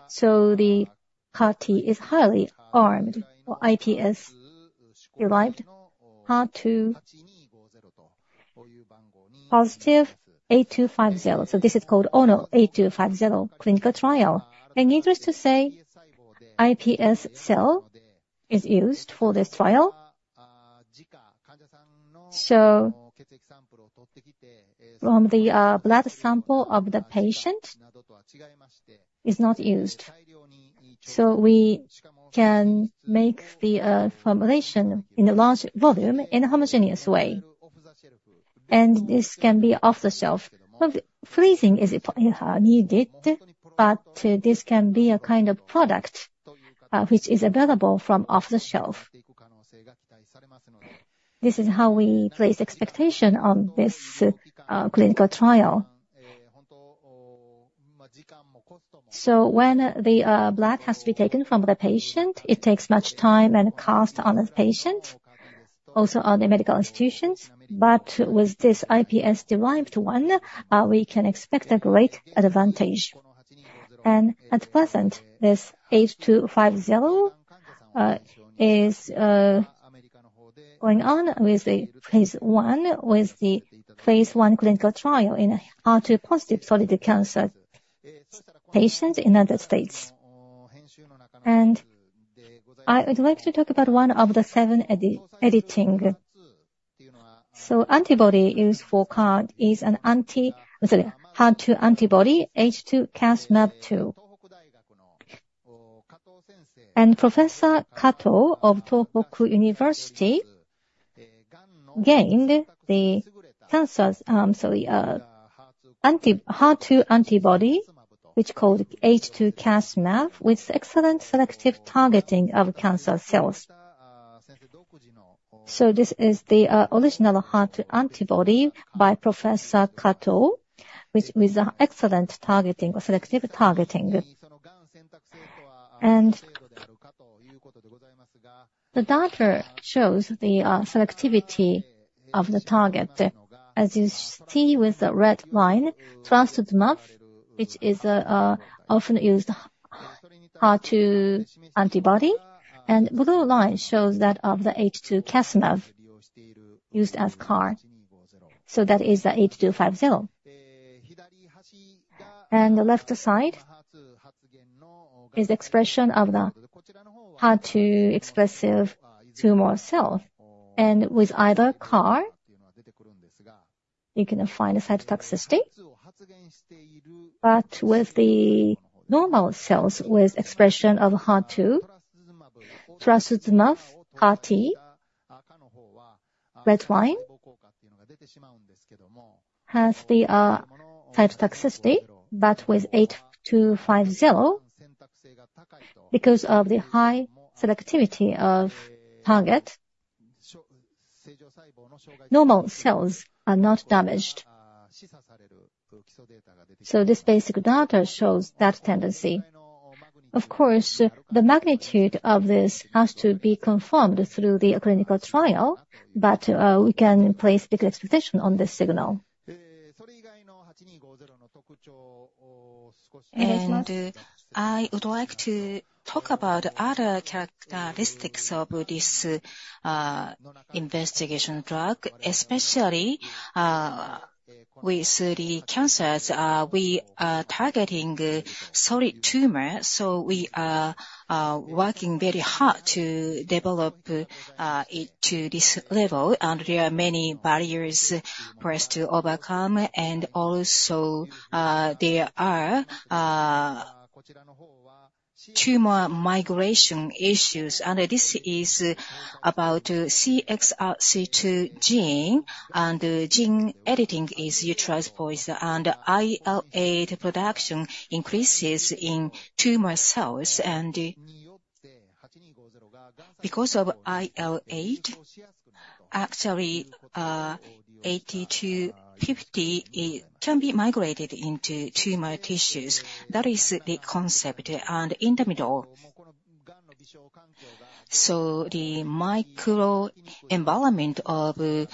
So the CAR T is highly armed, our iPS-derived HER2-positive 8250. So this is called ONO-8250 clinical trial. And needless to say, iPS cell is used for this trial. So from the blood sample of the patient is not used. We can make the formulation in a large volume in a homogeneous way. And this can be off-the-shelf. Well, freezing is needed, but this can be a kind of product which is available from off-the-shelf. This is how we place expectation on this clinical trial. So when the blood has to be taken from the patient, it takes much time and cost on the patient, also on the medical institutions. But with this iPS-derived one, we can expect a great advantage. And at present, this 8250 is going on with the phase one, with the phase one clinical trial in HER2-positive solid cancer patients in United States. And I would like to talk about one of the seven editing. Antibody used for CAR is an anti-HER2 antibody, H2Mab-2. Professor Kato of Tohoku University developed the anti-HER2 antibody against cancer, which is called H2Mab-2, with excellent selective targeting of cancer cells. This is the original HER2 antibody by Professor Kato, which was excellent targeting, selective targeting. The data shows the selectivity of the target. As you see with the red line, trastuzumab, which is often used HER2 antibody, and blue line shows that of the H2Mab-2 used as CAR. That is the 8250. The left side is expression of the HER2-expressing tumor cell. With either CAR, you're gonna find a cytotoxicity. But with the normal cells, with expression of HER2, Trastuzumab, red line, has the cytotoxicity, but with 8250, because of the high selectivity of target, normal cells are not damaged. So this basic data shows that tendency. Of course, the magnitude of this has to be confirmed through the clinical trial, but we can place big expectation on this signal. I would like to talk about other characteristics of this investigational drug, especially with the cancers we are targeting. We are targeting solid tumor, so we are working very hard to develop it to this level, and there are many barriers for us to overcome. Also, there are tumor migration issues, and this is about CXCR2 gene, and gene editing is utilized for it, and IL-8 production increases in tumor cells. Because of IL-8, actually, AD250, it can be migrated into tumor tissues. That is the big concept. In the middle, so the microenvironment of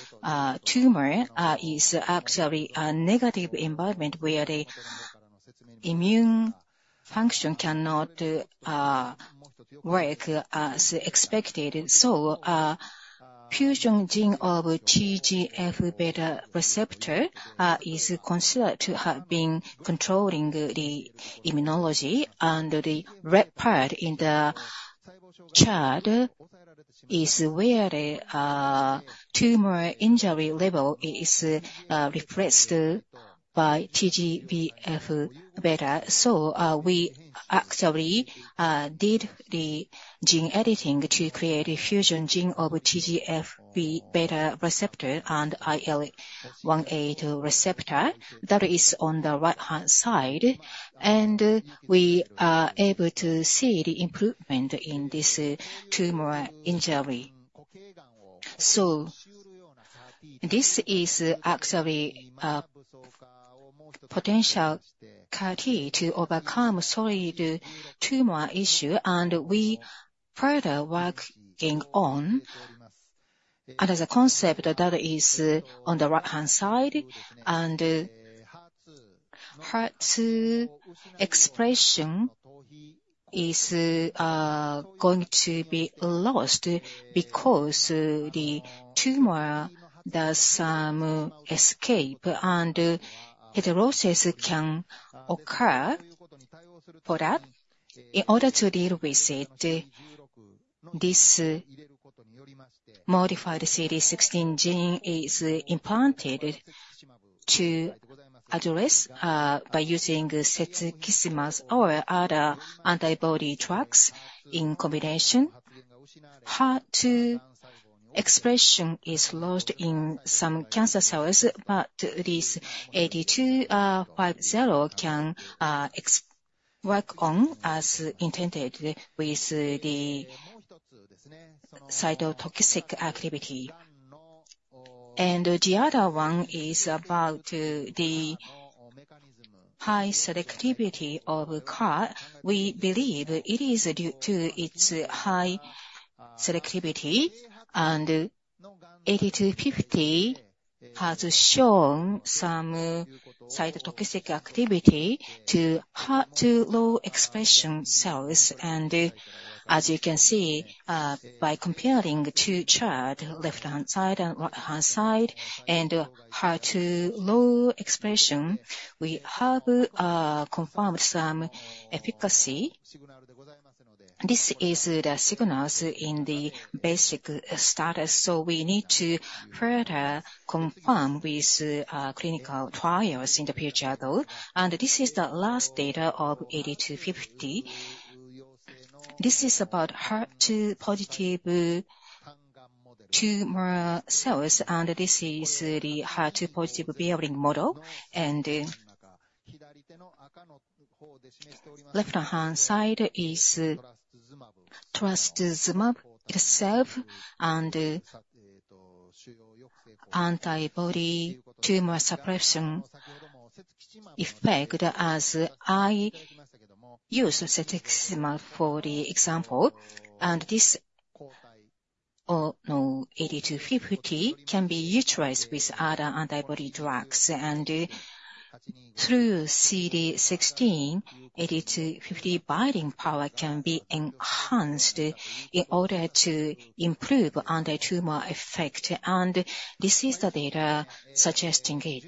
tumor is actually a negative environment where the immune function cannot work as expected. Fusion gene of TGF-β receptor is considered to have been controlling the immunology, and the red part in the chart is where the tumor immunity level is repressed by TGF-β. We actually did the gene editing to create a fusion gene of TGF-β receptor and IL-2RA receptor. That is on the right-hand side, and we are able to see the improvement in this tumor immunity. This is actually a potential key to overcome solid tumor issue, and we further working on another concept that is on the right-hand side. HER2 expression is going to be lost because the tumor does escape, and heterogeneity can occur for that. In order to deal with it, this modified CD16 gene is implanted to address by using trastuzumab or other antibody drugs in combination. HER2 expression is lost in some cancer cells, but this ONO-8250 can work as intended with the cytotoxic activity. And the other one is about the high selectivity of CAR. We believe it is due to its high selectivity, and ONO-8250 has shown some cytotoxic activity to HER2 low expression cells. And as you can see by comparing two charts, left-hand side and right-hand side, and HER2 low expression, we have confirmed some efficacy. This is the signals in the basic status, so we need to further confirm with clinical trials in the future, though. And this is the last data of ONO-8250. This is about HER2-positive tumor cells, and this is the HER2-positive bearing model. And left-hand side is trastuzumab itself and antibody tumor suppression effect, as I use trastuzumab for the example. AD250 can be utilized with other antibody drugs. Through CD16, AD250 binding power can be enhanced in order to improve on the tumor effect, and this is the data suggesting it.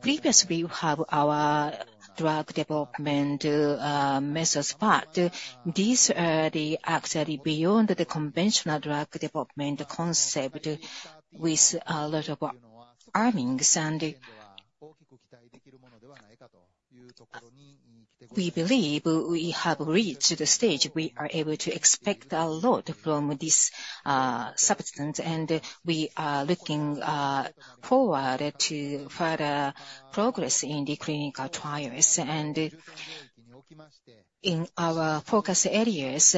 Previously, we have our drug development methods, but this actually beyond the conventional drug development concept with a lot of learnings, and we believe we have reached the stage we are able to expect a lot from this substance, and we are looking forward to further progress in the clinical trials. In our focus areas,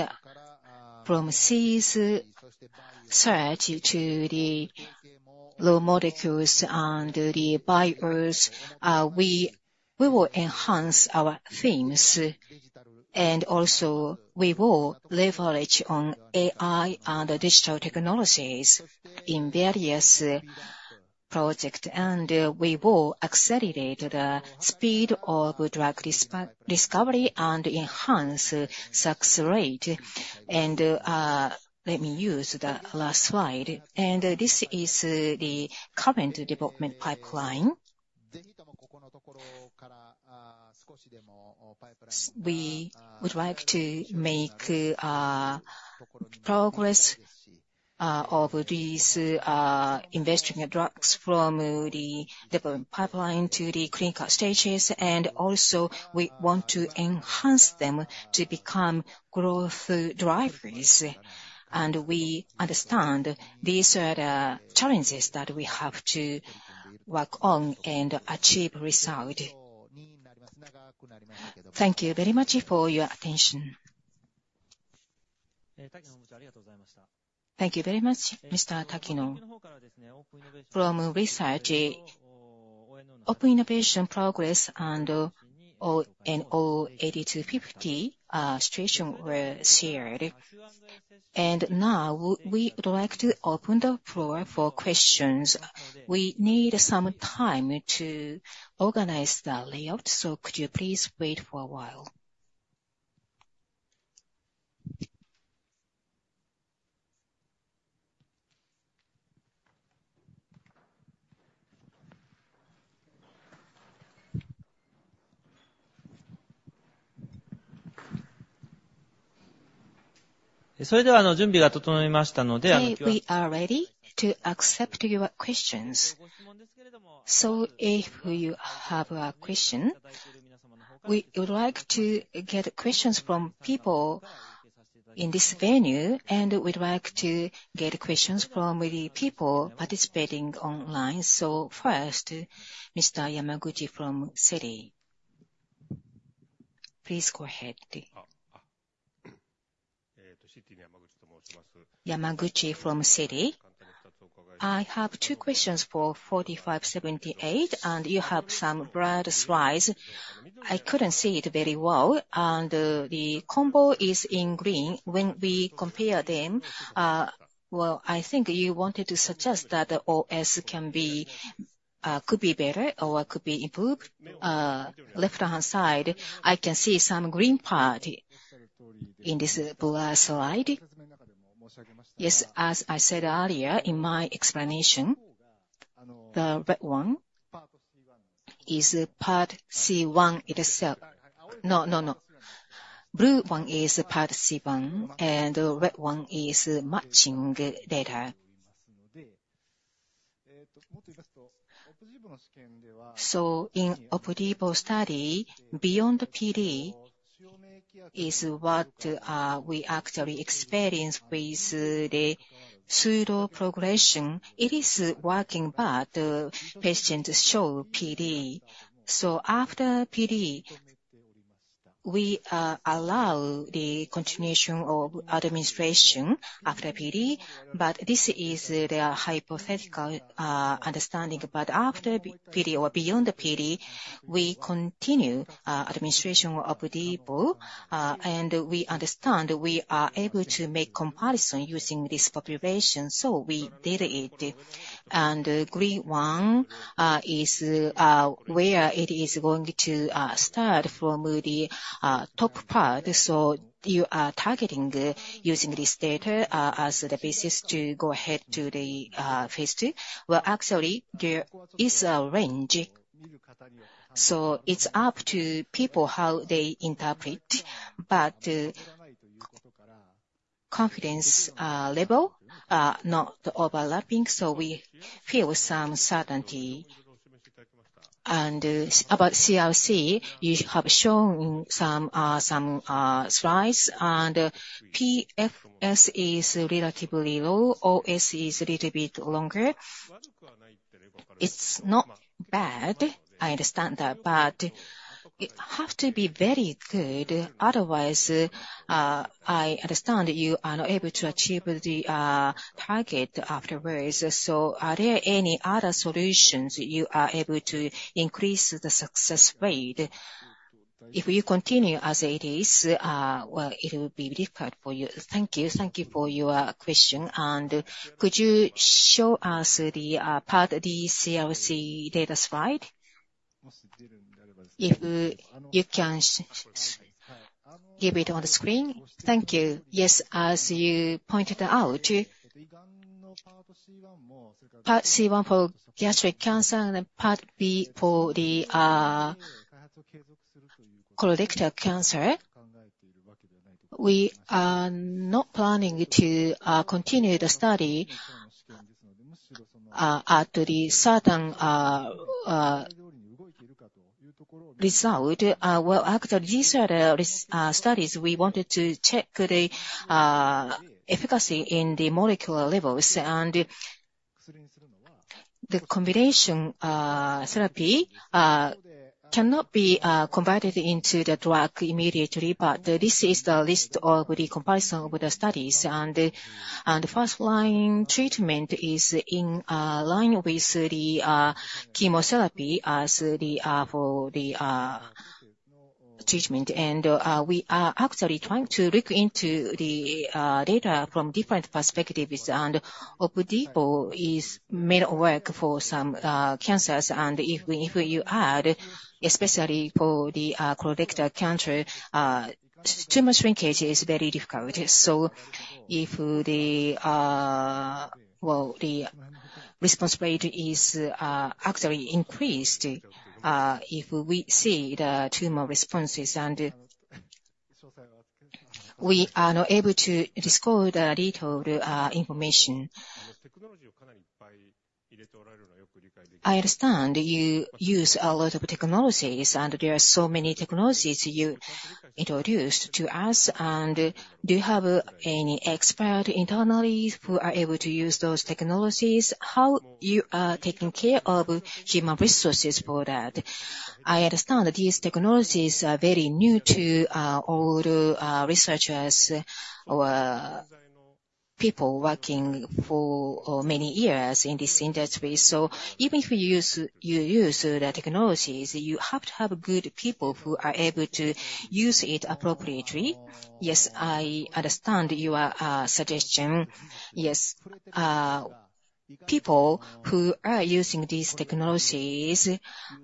from target search to the small molecules and the biologics, we will enhance our themes. Also, we will leverage on AI and digital technologies in various projects, and we will accelerate the speed of drug discovery and enhance success rate. Let me use the last slide. This is the current development pipeline. We would like to make progress of these investigational drugs from the development pipeline to the clinical stages, and also we want to enhance them to become growth drivers. We understand these are the challenges that we have to work on and achieve result. Thank you very much for your attention. Thank you very much, Mr. Takino. From research, open innovation progress and ONO- and ONO-8250 situation were shared. Now, we would like to open the floor for questions. We need some time to organize the layout, so could you please wait for a while? We are ready to accept your questions. So if you have a question, we would like to get questions from people in this venue, and we'd like to get questions from the people participating online. So first, Mr. Yamaguchi from Citi. Please go ahead. Yamaguchi from Citi. I have two questions for 4578, and you have some broad slides. I couldn't see it very well, and, the combo is in green. When we compare them, well, I think you wanted to suggest that the OS can be, could be better or could be improved. Left-hand side, I can see some green part in this blue slide. Yes, as I said earlier in my explanation, the red one is Part C1 itself. No, no, no. Blue one is Part C1, and red one is matching data. So in Opdivo study, beyond PD is what, we actually experienced with, the pseudo progression. It is working, but patients show PD. So after PD, we allow the continuation of administration after PD, but this is the hypothetical understanding. But after PD or beyond the PD, we continue administration of Opdivo, and we understand we are able to make comparison using this population, so we did it. And green one is where it is going to start from the top part. So you are targeting using this data as the basis to go ahead to the phase two? Well, actually, there is a range, so it's up to people how they interpret. But confidence level are not overlapping, so we feel some certainty. And about CRC, you have shown some slides, and PFS is relatively low, OS is a little bit longer. It's not bad, I understand that, but it have to be very good. Otherwise, I understand you are not able to achieve the target afterwards. So are there any other solutions you are able to increase the success rate? If you continue as it is, well, it will be difficult for you. Thank you. Thank you for your question. And could you show us the part, the CRC data slide? If you can give it on the screen. Thank you. Yes, as you pointed out, Part C1 for gastric cancer and Part B for the colorectal cancer, we are not planning to continue the study at the certain result. Well, actually, these are studies we wanted to check the efficacy in the molecular levels. The combination therapy cannot be converted into the drug immediately, but this is the list of the comparison with the studies. And first-line treatment is in line with the chemotherapy as the for the treatment, and we are actually trying to look into the data from different perspectives. And Opdivo is made work for some cancers, and if you add, especially for the colorectal cancer, tumor shrinkage is very difficult. So if well, the response rate is actually increased if we see the tumor responses, and we are not able to disclose the detailed information. I understand you use a lot of technologies, and there are so many technologies you introduced to us. And do you have any expert internally who are able to use those technologies? How you are taking care of human resources for that? I understand that these technologies are very new to all the researchers or people working for many years in this industry. So even if you use the technologies, you have to have good people who are able to use it appropriately. Yes, I understand your suggestion. Yes, people who are using these technologies,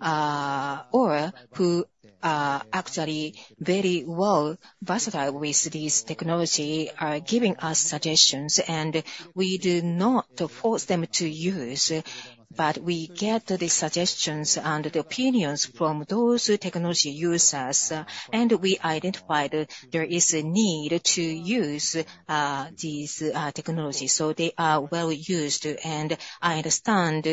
or who are actually very well versatile with this technology, are giving us suggestions, and we do not force them to use. But we get the suggestions and the opinions from those technology users, and we identified there is a need to use these technologies. So they are well used, and I understand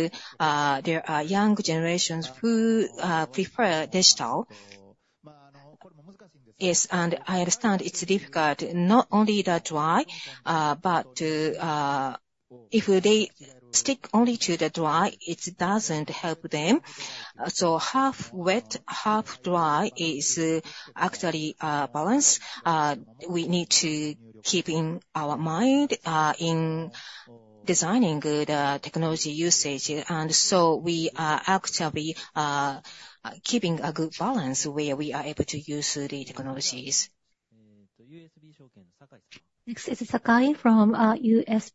there are young generations who prefer digital. Yes, and I understand it's difficult. Not only the dry, but if they stick only to the dry, it doesn't help them. So half wet, half dry is actually balance. We need to keep in our mind in designing the technology usage. And so we are actually keeping a good balance where we are able to use the technologies. Next is Sakai from UBS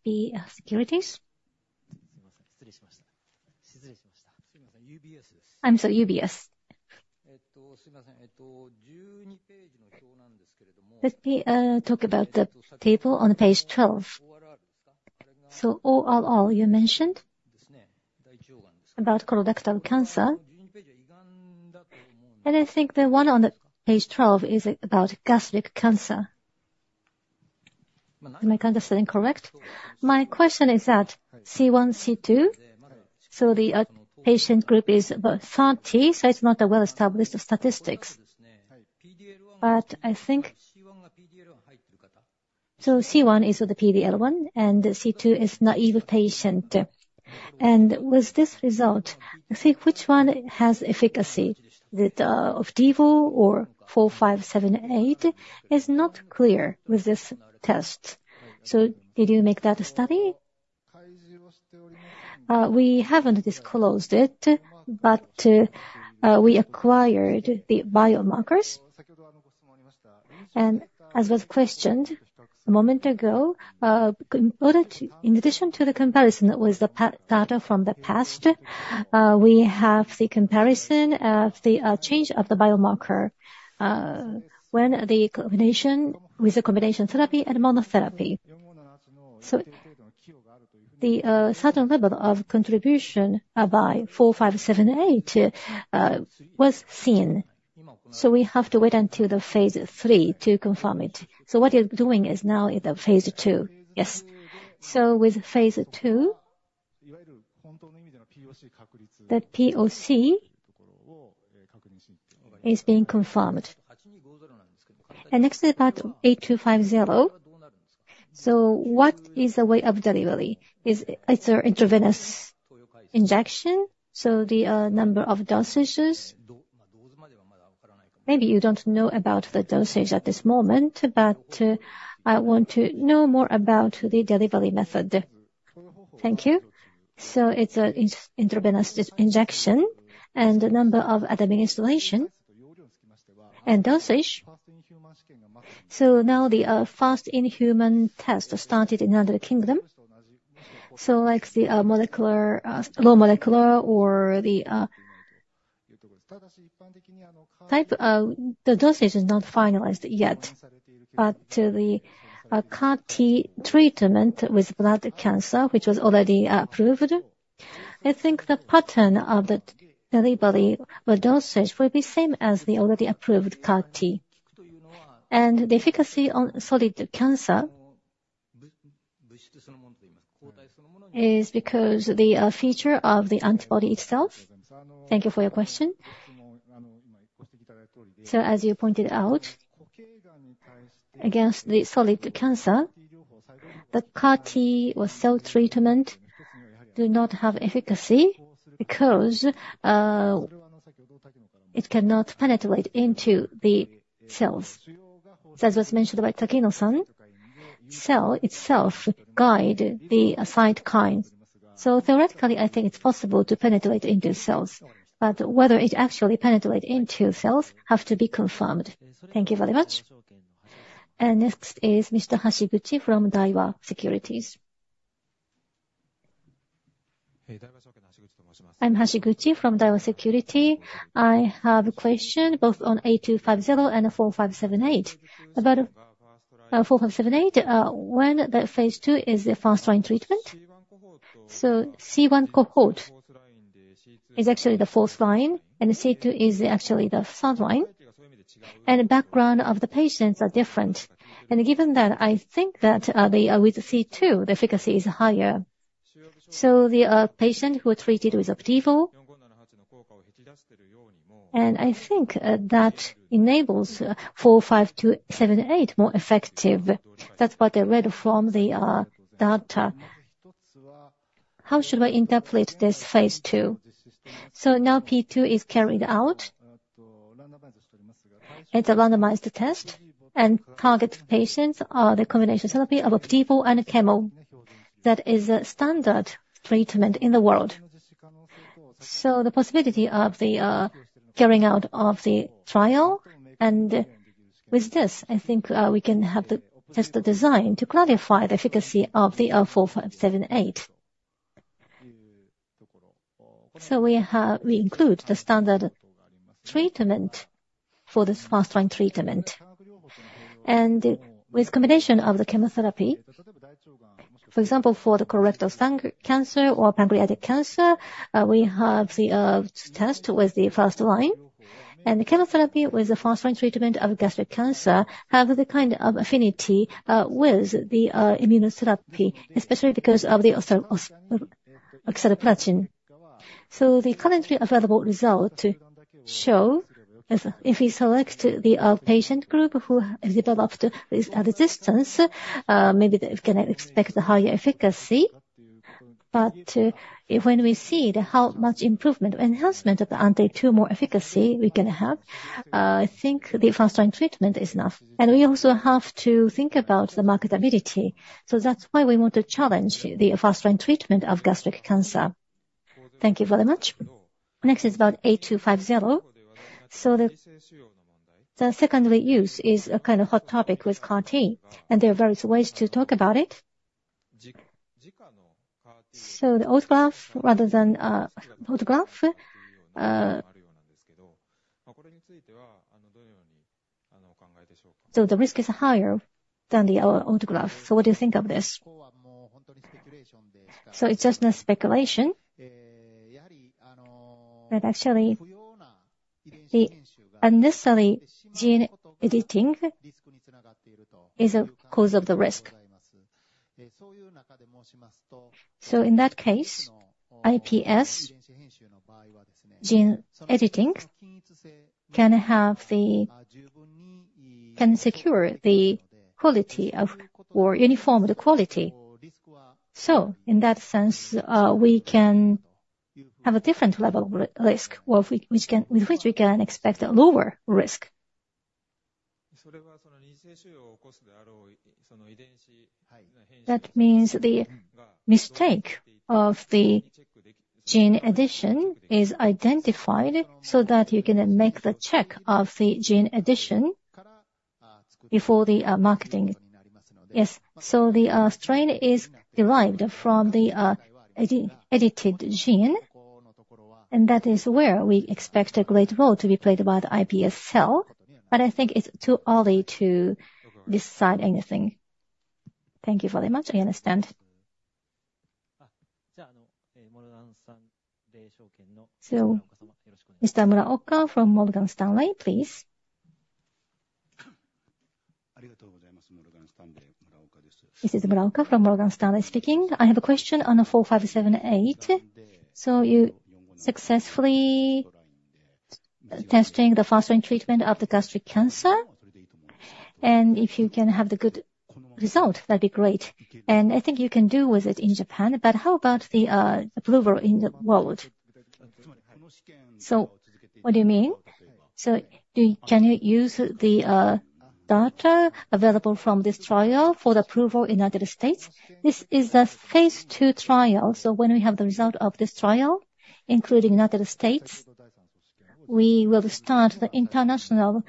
Securities. I'm sorry, UBS. Let me talk about the table on page 12. So ORR, you mentioned about colorectal cancer, and I think the one on page 12 is about gastric cancer. Am I understanding correct? My question is that C1, C2, so the patient group is about 30, so it's not a well-established statistics. But I think... So C1 is the PD-L1, and C2 is naive patient. And with this result, I think which one has efficacy, the Opdivo or ONO-4578, is not clear with this test. So did you make that study? We haven't disclosed it, but we acquired the biomarkers, and as was questioned a moment ago, in order to in addition to the comparison, that was the past data from the past, we have the comparison of the change of the biomarker when the combination with the combination therapy and monotherapy. So the certain level of contribution by four, five, seven, eight was seen, so we have to wait until the phase 3 to confirm it. So what you're doing is now in the phase two? Yes. With phase two, the POC is being confirmed. And next, about ONO-8250, so what is the way of delivery? It's a intravenous injection, so the number of dosages. Maybe you don't know about the dosage at this moment, but I want to know more about the delivery method. Thank you. So it's an intravenous injection, and the number of administration and dosage. So now the first-in-human test started in the United Kingdom. So like the molecular low molecular or the type the dosage is not finalized yet, but the CAR T treatment with blood cancer, which was already approved, I think the pattern of the delivery with dosage will be same as the already approved CAR T. And the efficacy on solid cancer is because the feature of the antibody itself. Thank you for your question. So as you pointed out, against the solid cancer, the CAR T or cell treatment do not have efficacy because it cannot penetrate into the cells. So as was mentioned by Takino-san cell itself guide the cytokine. So theoretically, I think it's possible to penetrate into cells, but whether it actually penetrate into cells, have to be confirmed. Thank you very much. And next is Mr. Hashiguchi from Daiwa Securities. I'm Hashiguchi from Daiwa Securities. I have a question both on 8250 and 4578. About 4578, when the phase two is a first-line treatment. So C1 cohort is actually the fourth line, and C2 is actually the third line. And the background of the patients are different. And given that, I think that, the, with C2, the efficacy is higher. So the, patient who are treated with Opdivo, and I think, that enables four, five to seven, eight, more effective. That's what I read from the, data. How should we interpret this phase two? Now P2 is carried out. It's a randomized test, and target patients are the combination therapy of Opdivo and chemo. That is a standard treatment in the world. So the possibility of the carrying out of the trial, and with this, I think, we can have the test design to clarify the efficacy of the ONO-4578. So we include the standard treatment for this first-line treatment. And with combination of the chemotherapy, for example, for the colorectal cancer or pancreatic cancer, we have the test with the first line. And the chemotherapy with the first-line treatment of gastric cancer have the kind of affinity with the immunotherapy, especially because of the oxaliplatin. So the currently available results show if we select the patient group who have developed this resistance, maybe they can expect a higher efficacy. But when we see then how much improvement, enhancement of the anti-tumor efficacy we're gonna have, I think the first-line treatment is enough. And we also have to think about the marketability, so that's why we want to challenge the first-line treatment of gastric cancer. Thank you very much. Next is about ONO-8250. So the secondary use is a kind of hot topic with CAR-T, and there are various ways to talk about it. So the autograft rather than allograft. So the risk is higher than the autograft. So what do you think of this? So it's just a speculation. But actually, the unnecessary gene editing is a cause of the risk. So in that case, iPS gene editing can secure the quality of, or uniform the quality. So in that sense, we can have a different level of risk, or we, with which we can expect a lower risk. That means the mistake of the gene addition is identified so that you can make the check of the gene addition before the marketing. Yes. So the strain is derived from the edited gene, and that is where we expect a great role to be played by the iPS cell. But I think it's too early to decide anything. Thank you very much. I understand. So Mr. Muraoka from Morgan Stanley, please. This is Muraoka from Morgan Stanley speaking. I have a question on the ONO-4578. You successfully testing the first-line treatment of the gastric cancer, and if you can have the good result, that'd be great. I think you can do with it in Japan, but how about the approval in the world? What do you mean? Can you use the data available from this trial for the approval in United States? This is the phase two trial, so when we have the result of this trial, including United States, we will start the international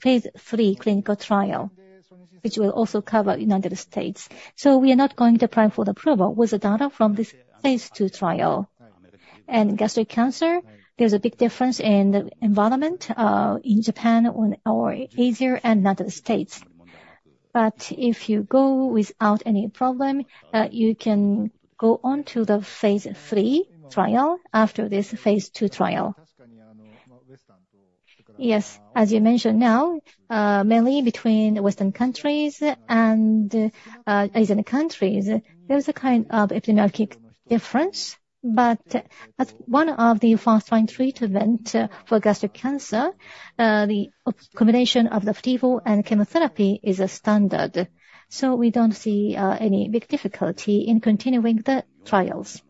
phase three clinical trial, which will also cover United States. We are not going to apply for the approval with the data from this phase two trial. Gastric cancer, there's a big difference in the environment in Japan when... Or easier in United States. But if you go without any problem, you can go on to the phase three trial after this phase two trial. Yes, as you mentioned now, mainly between Western countries and Asian countries, there's a kind of ethnic difference. But as one of the first-line treatment for gastric cancer, the combination of Opdivo and chemotherapy is a standard, so we don't see any big difficulty in continuing the trials.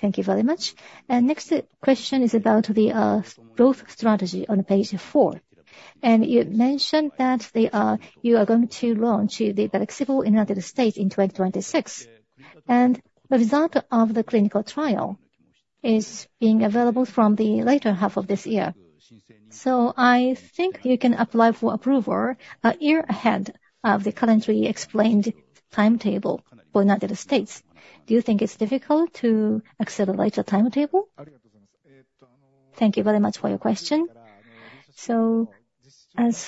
Thank you very much. And next question is about the growth strategy on page four. And you mentioned that they are, you are going to launch the Velexbru in United States in 2026, and the result of the clinical trial is being available from the latter half of this year. So I think you can apply for approval a year ahead of the currently explained timetable for United States. Do you think it's difficult to accelerate the timetable? Thank you very much for your question. So as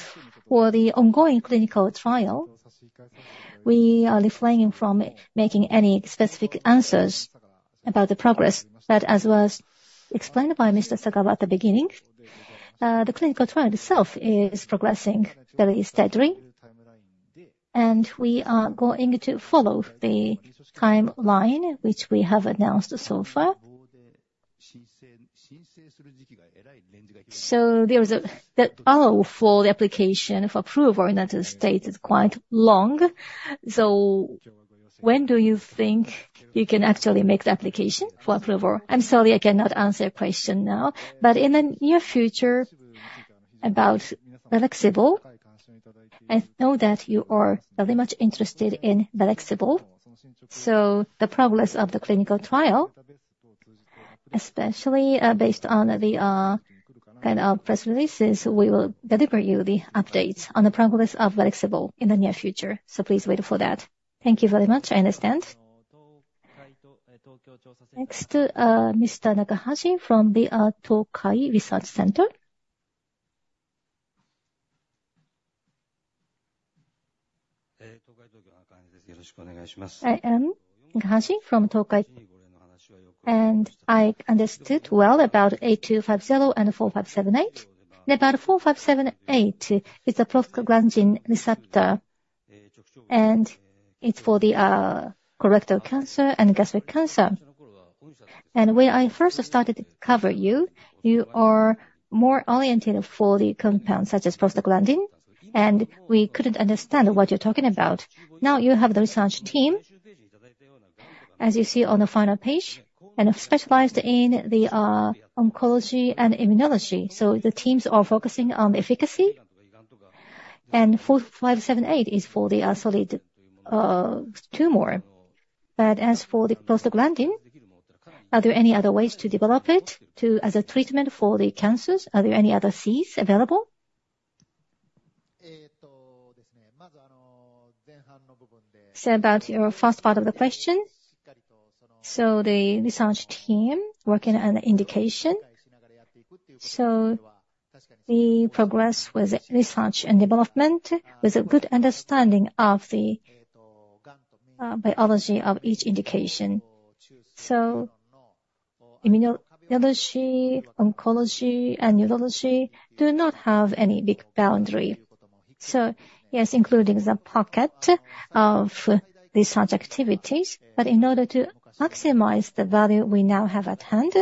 for the ongoing clinical trial, we are refraining from making any specific answers about the progress. But as was explained by Mr. Sagara at the beginning, the clinical trial itself is progressing very steadily, and we are going to follow the timeline which we have announced so far. So there is a, the follow-up for the application of approval in United States is quite long. So when do you think you can actually make the application for approval? I'm sorry, I cannot answer your question now. But in the near future, about Velexbru, I know that you are very much interested in Velexbru, so the progress of the clinical trial, especially, based on the kind of press releases, we will deliver you the updates on the progress of Velexbru in the near future. So please wait for that. Thank you very much. I understand. Next, Mr. Nakahashi from the Tokai Tokyo Research Center. I am Nakahashi from Tokai Tokyo, and I understood well about ONO-8250 and ONO-4578. And about ONO-4578, it's a prostaglandin receptor, and it's for the colorectal cancer and gastric cancer. And when I first started to cover you, you are more oriented for the compounds such as prostaglandin, and we couldn't understand what you're talking about. Now, you have the research team, as you see on the final page, and specialized in the oncology and immunology. So the teams are focusing on efficacy, and four five seven eight is for the solid tumor. But as for the prostaglandin, are there any other ways to develop it to, as a treatment for the cancers? Are there any other seeds available? So about your first part of the question, so the research team working on the indication. So the progress with research and development was a good understanding of the biology of each indication. So immunology, oncology, and neurology do not have any big boundary. So yes, including the pocket of research activities, but in order to maximize the value we now have at hand,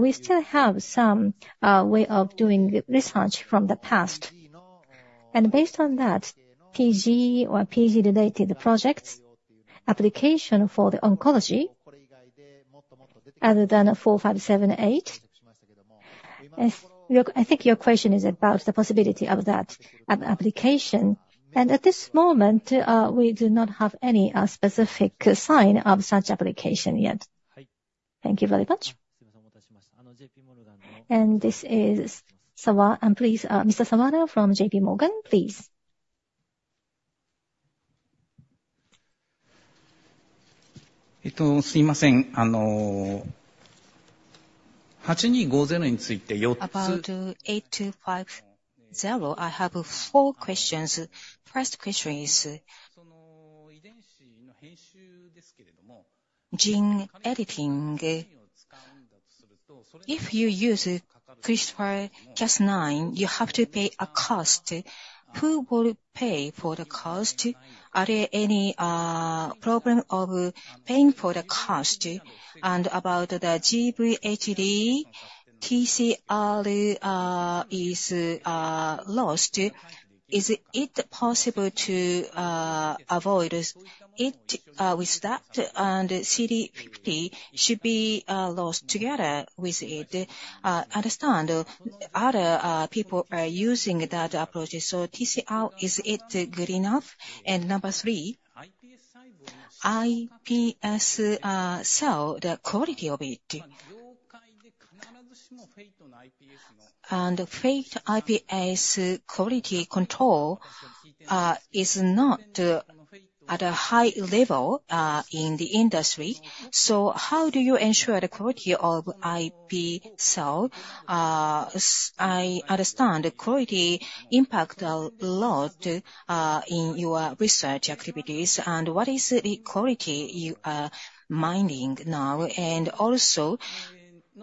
we still have some way of doing the research from the past. And based on that, PG or PG-related projects, application for the oncology other than 4578. Yes, I think your question is about the possibility of that application. And at this moment, we do not have any specific sign of such application yet. Thank you very much. And this is Sawada. And please, Mr. Sawada from JP Morgan, please. About ONO-8250, I have four questions. First question is, gene editing. If you use CRISPR-Cas9, you have to pay a cost. Who will pay for the cost? Are there any problem of paying for the cost? And about the GVHD, TCR is lost. Is it possible to avoid it with that, and CD52 should be lost together with it? I understand other people are using that approach, so TCR, is it good enough? And number three, iPS cell, the quality of it. And Fate iPS quality control is not at a high level in the industry. So how do you ensure the quality of iPS cell? I understand the quality impacts a lot in your research activities, and what is the quality you are minding now? Also,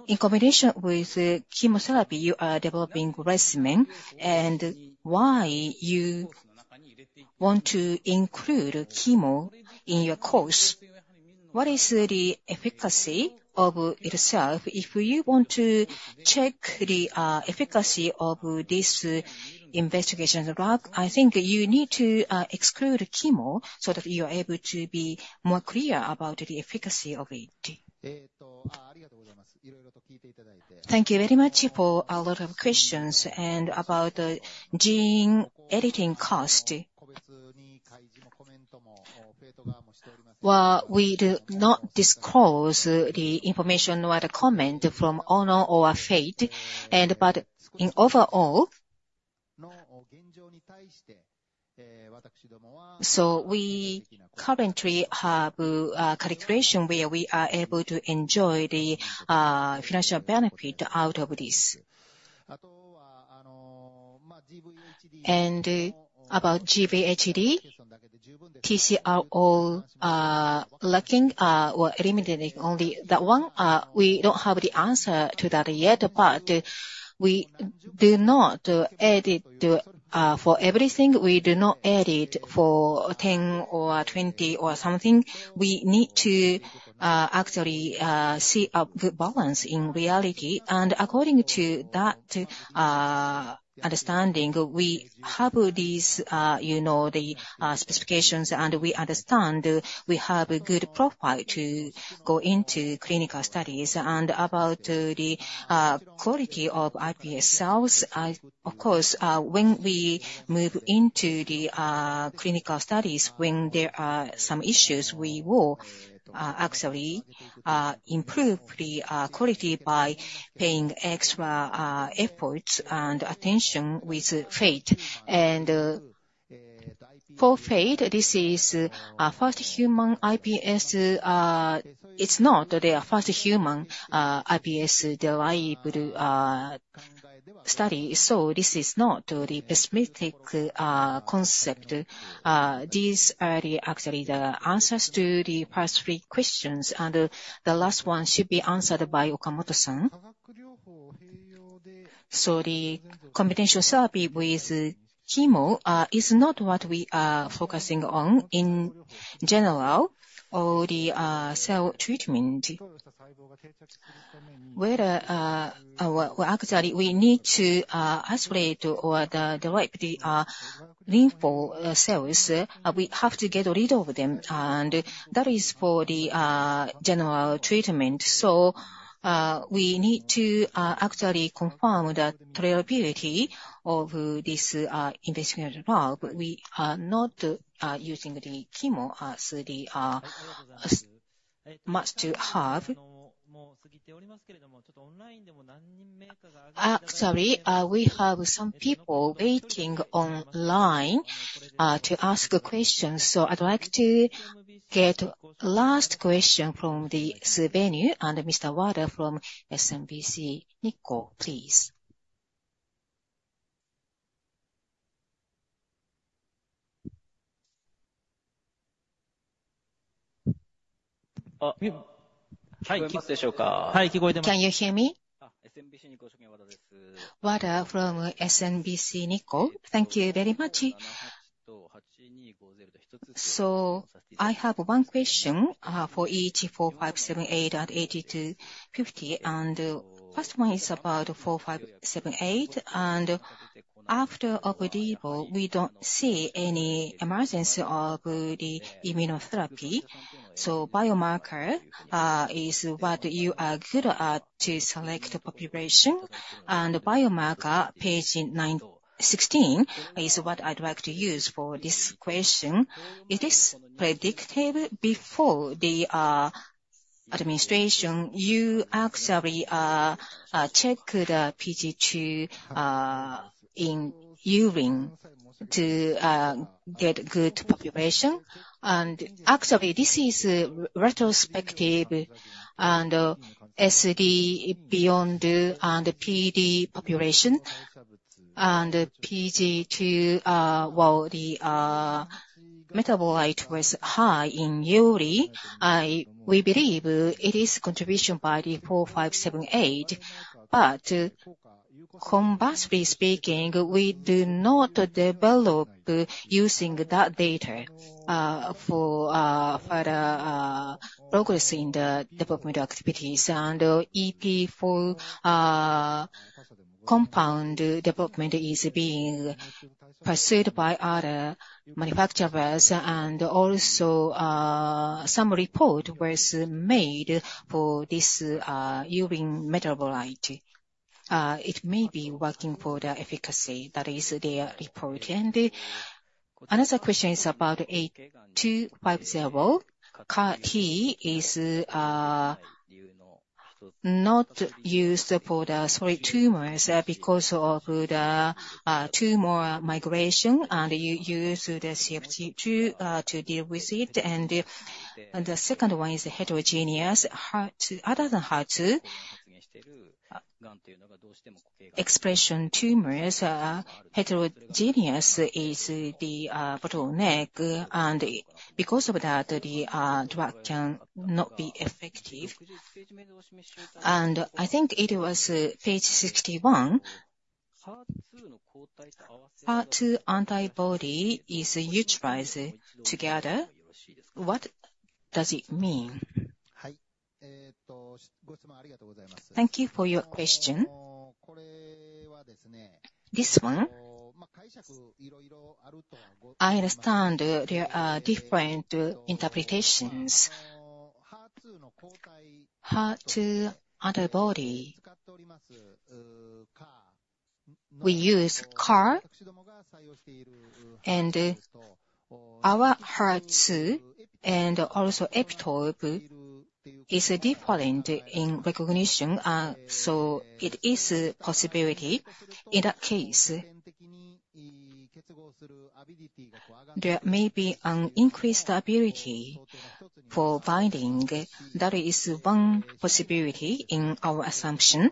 in combination with chemotherapy, you are developing regimen, and why you want to include chemo in your course? What is the efficacy of itself? If you want to check the efficacy of this investigational drug, I think you need to exclude chemo so that you are able to be more clear about the efficacy of it. Thank you very much for a lot of questions, and about the gene editing cost, well, we do not disclose the information or the comment from Ono or Fate, and but in overall, so we currently have calculation where we are able to enjoy the financial benefit out of this and about GVHD, TCR all lacking or eliminating only that one, we don't have the answer to that yet, but we do not edit for everything. We do not edit for 10 or 20 or something. We need to actually see a good balance in reality. According to that understanding, we have these you know the specifications, and we understand we have a good profile to go into clinical studies. About the quality of iPS cells, I of course when we move into the clinical studies, when there are some issues, we will actually improve the quality by paying extra efforts and attention with Fate. For Fate, this is first human iPS. It's not their first human iPS-derived study, so this is not the specific concept. These are actually the answers to the first three questions, and the last one should be answered by Okamoto-san. The combination therapy with chemo is not what we are focusing on. In general, all the cell treatment, where, well, actually, we need to isolate the right lympho cells. We have to get rid of them, and that is for the general treatment. We need to actually confirm the reliability of this investigational development. We are not using the chemo as the backbone. Sorry, we have some people waiting online to ask questions, so I'd like to get the last question from the venue and Mr. Wada from SMBC Nikko, please. Can you hear me? Wada from SMBC Nikko. Thank you very much. I have one question for ONO-4578 and ONO-8250. First one is about ONO-4578, and after operable, we don't see any emergence of the immunotherapy. Biomarker is what you are good at to select the population, and biomarker, pages 9-16, is what I'd like to use for this question. Is this predictable? Before the administration, you actually check the PGE2 in urine to get good population. Actually, this is retrospective and SD beyond and PD population. PGE2, well, the metabolite was high in urine. We believe it is contribution by the ONO-4578. But conversely speaking, we do not develop using that data for further progress in the development activities. EP4 compound development is being pursued by other manufacturers, and also, some report was made for this urine metabolite. It may be working for the efficacy, that is their report. And another question is about ONO-8250. CAR-T is not used for the solid tumors because of the tumor migration, and you use the CD16 to deal with it. And the second one is heterogeneous. Other than HER2 expression tumors, heterogeneous is the bottleneck, and because of that, the drug cannot be effective. And I think it was page 61. HER2 antibody is utilized together. What does it mean? Thank you for your question. This one. I understand there are different interpretations. HER2 antibody, we use CAR, and our HER2 and also epitope is different in recognition, so it is a possibility. In that case, there may be an increased ability for binding. That is one possibility in our assumption.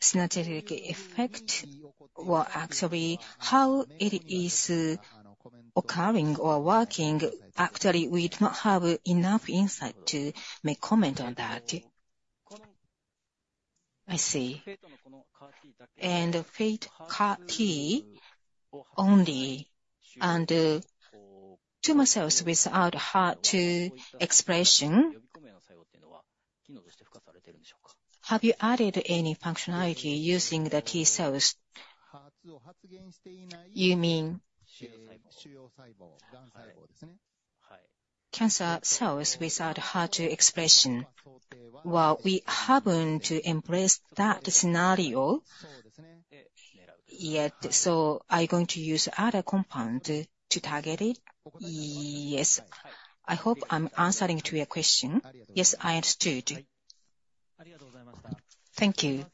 Synergistic effect. Well, actually, how it is occurring or working, actually, we do not have enough insight to make comment on that. I see. And Fate CAR-T only, and tumor cells without HER2 expression, have you added any functionality using the T cells? You mean cancer cells without HER2 expression. Well, we happen to embrace that scenario yet, so are you going to use other compound to target it? Yes. I hope I'm answering to your question. Yes, I understood. Thank you.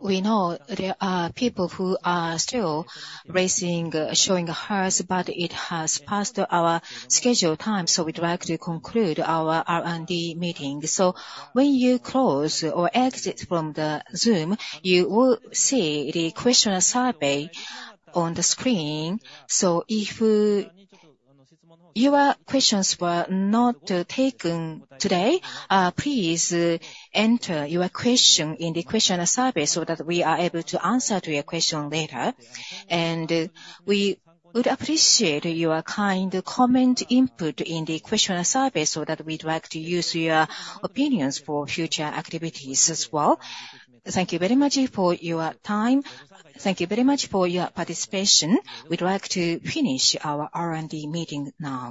We know there are people who are still raising, showing hands, but it has passed our scheduled time, so we'd like to conclude our R&D meeting. So when you close or exit from the Zoom, you will see the questionnaire survey on the screen. So if your questions were not taken today, please enter your question in the questionnaire survey so that we are able to answer to your question later. And we would appreciate your kind comment input in the questionnaire survey so that we'd like to use your opinions for future activities as well. Thank you very much for your time. Thank you very much for your participation. We'd like to finish our R&D meeting now.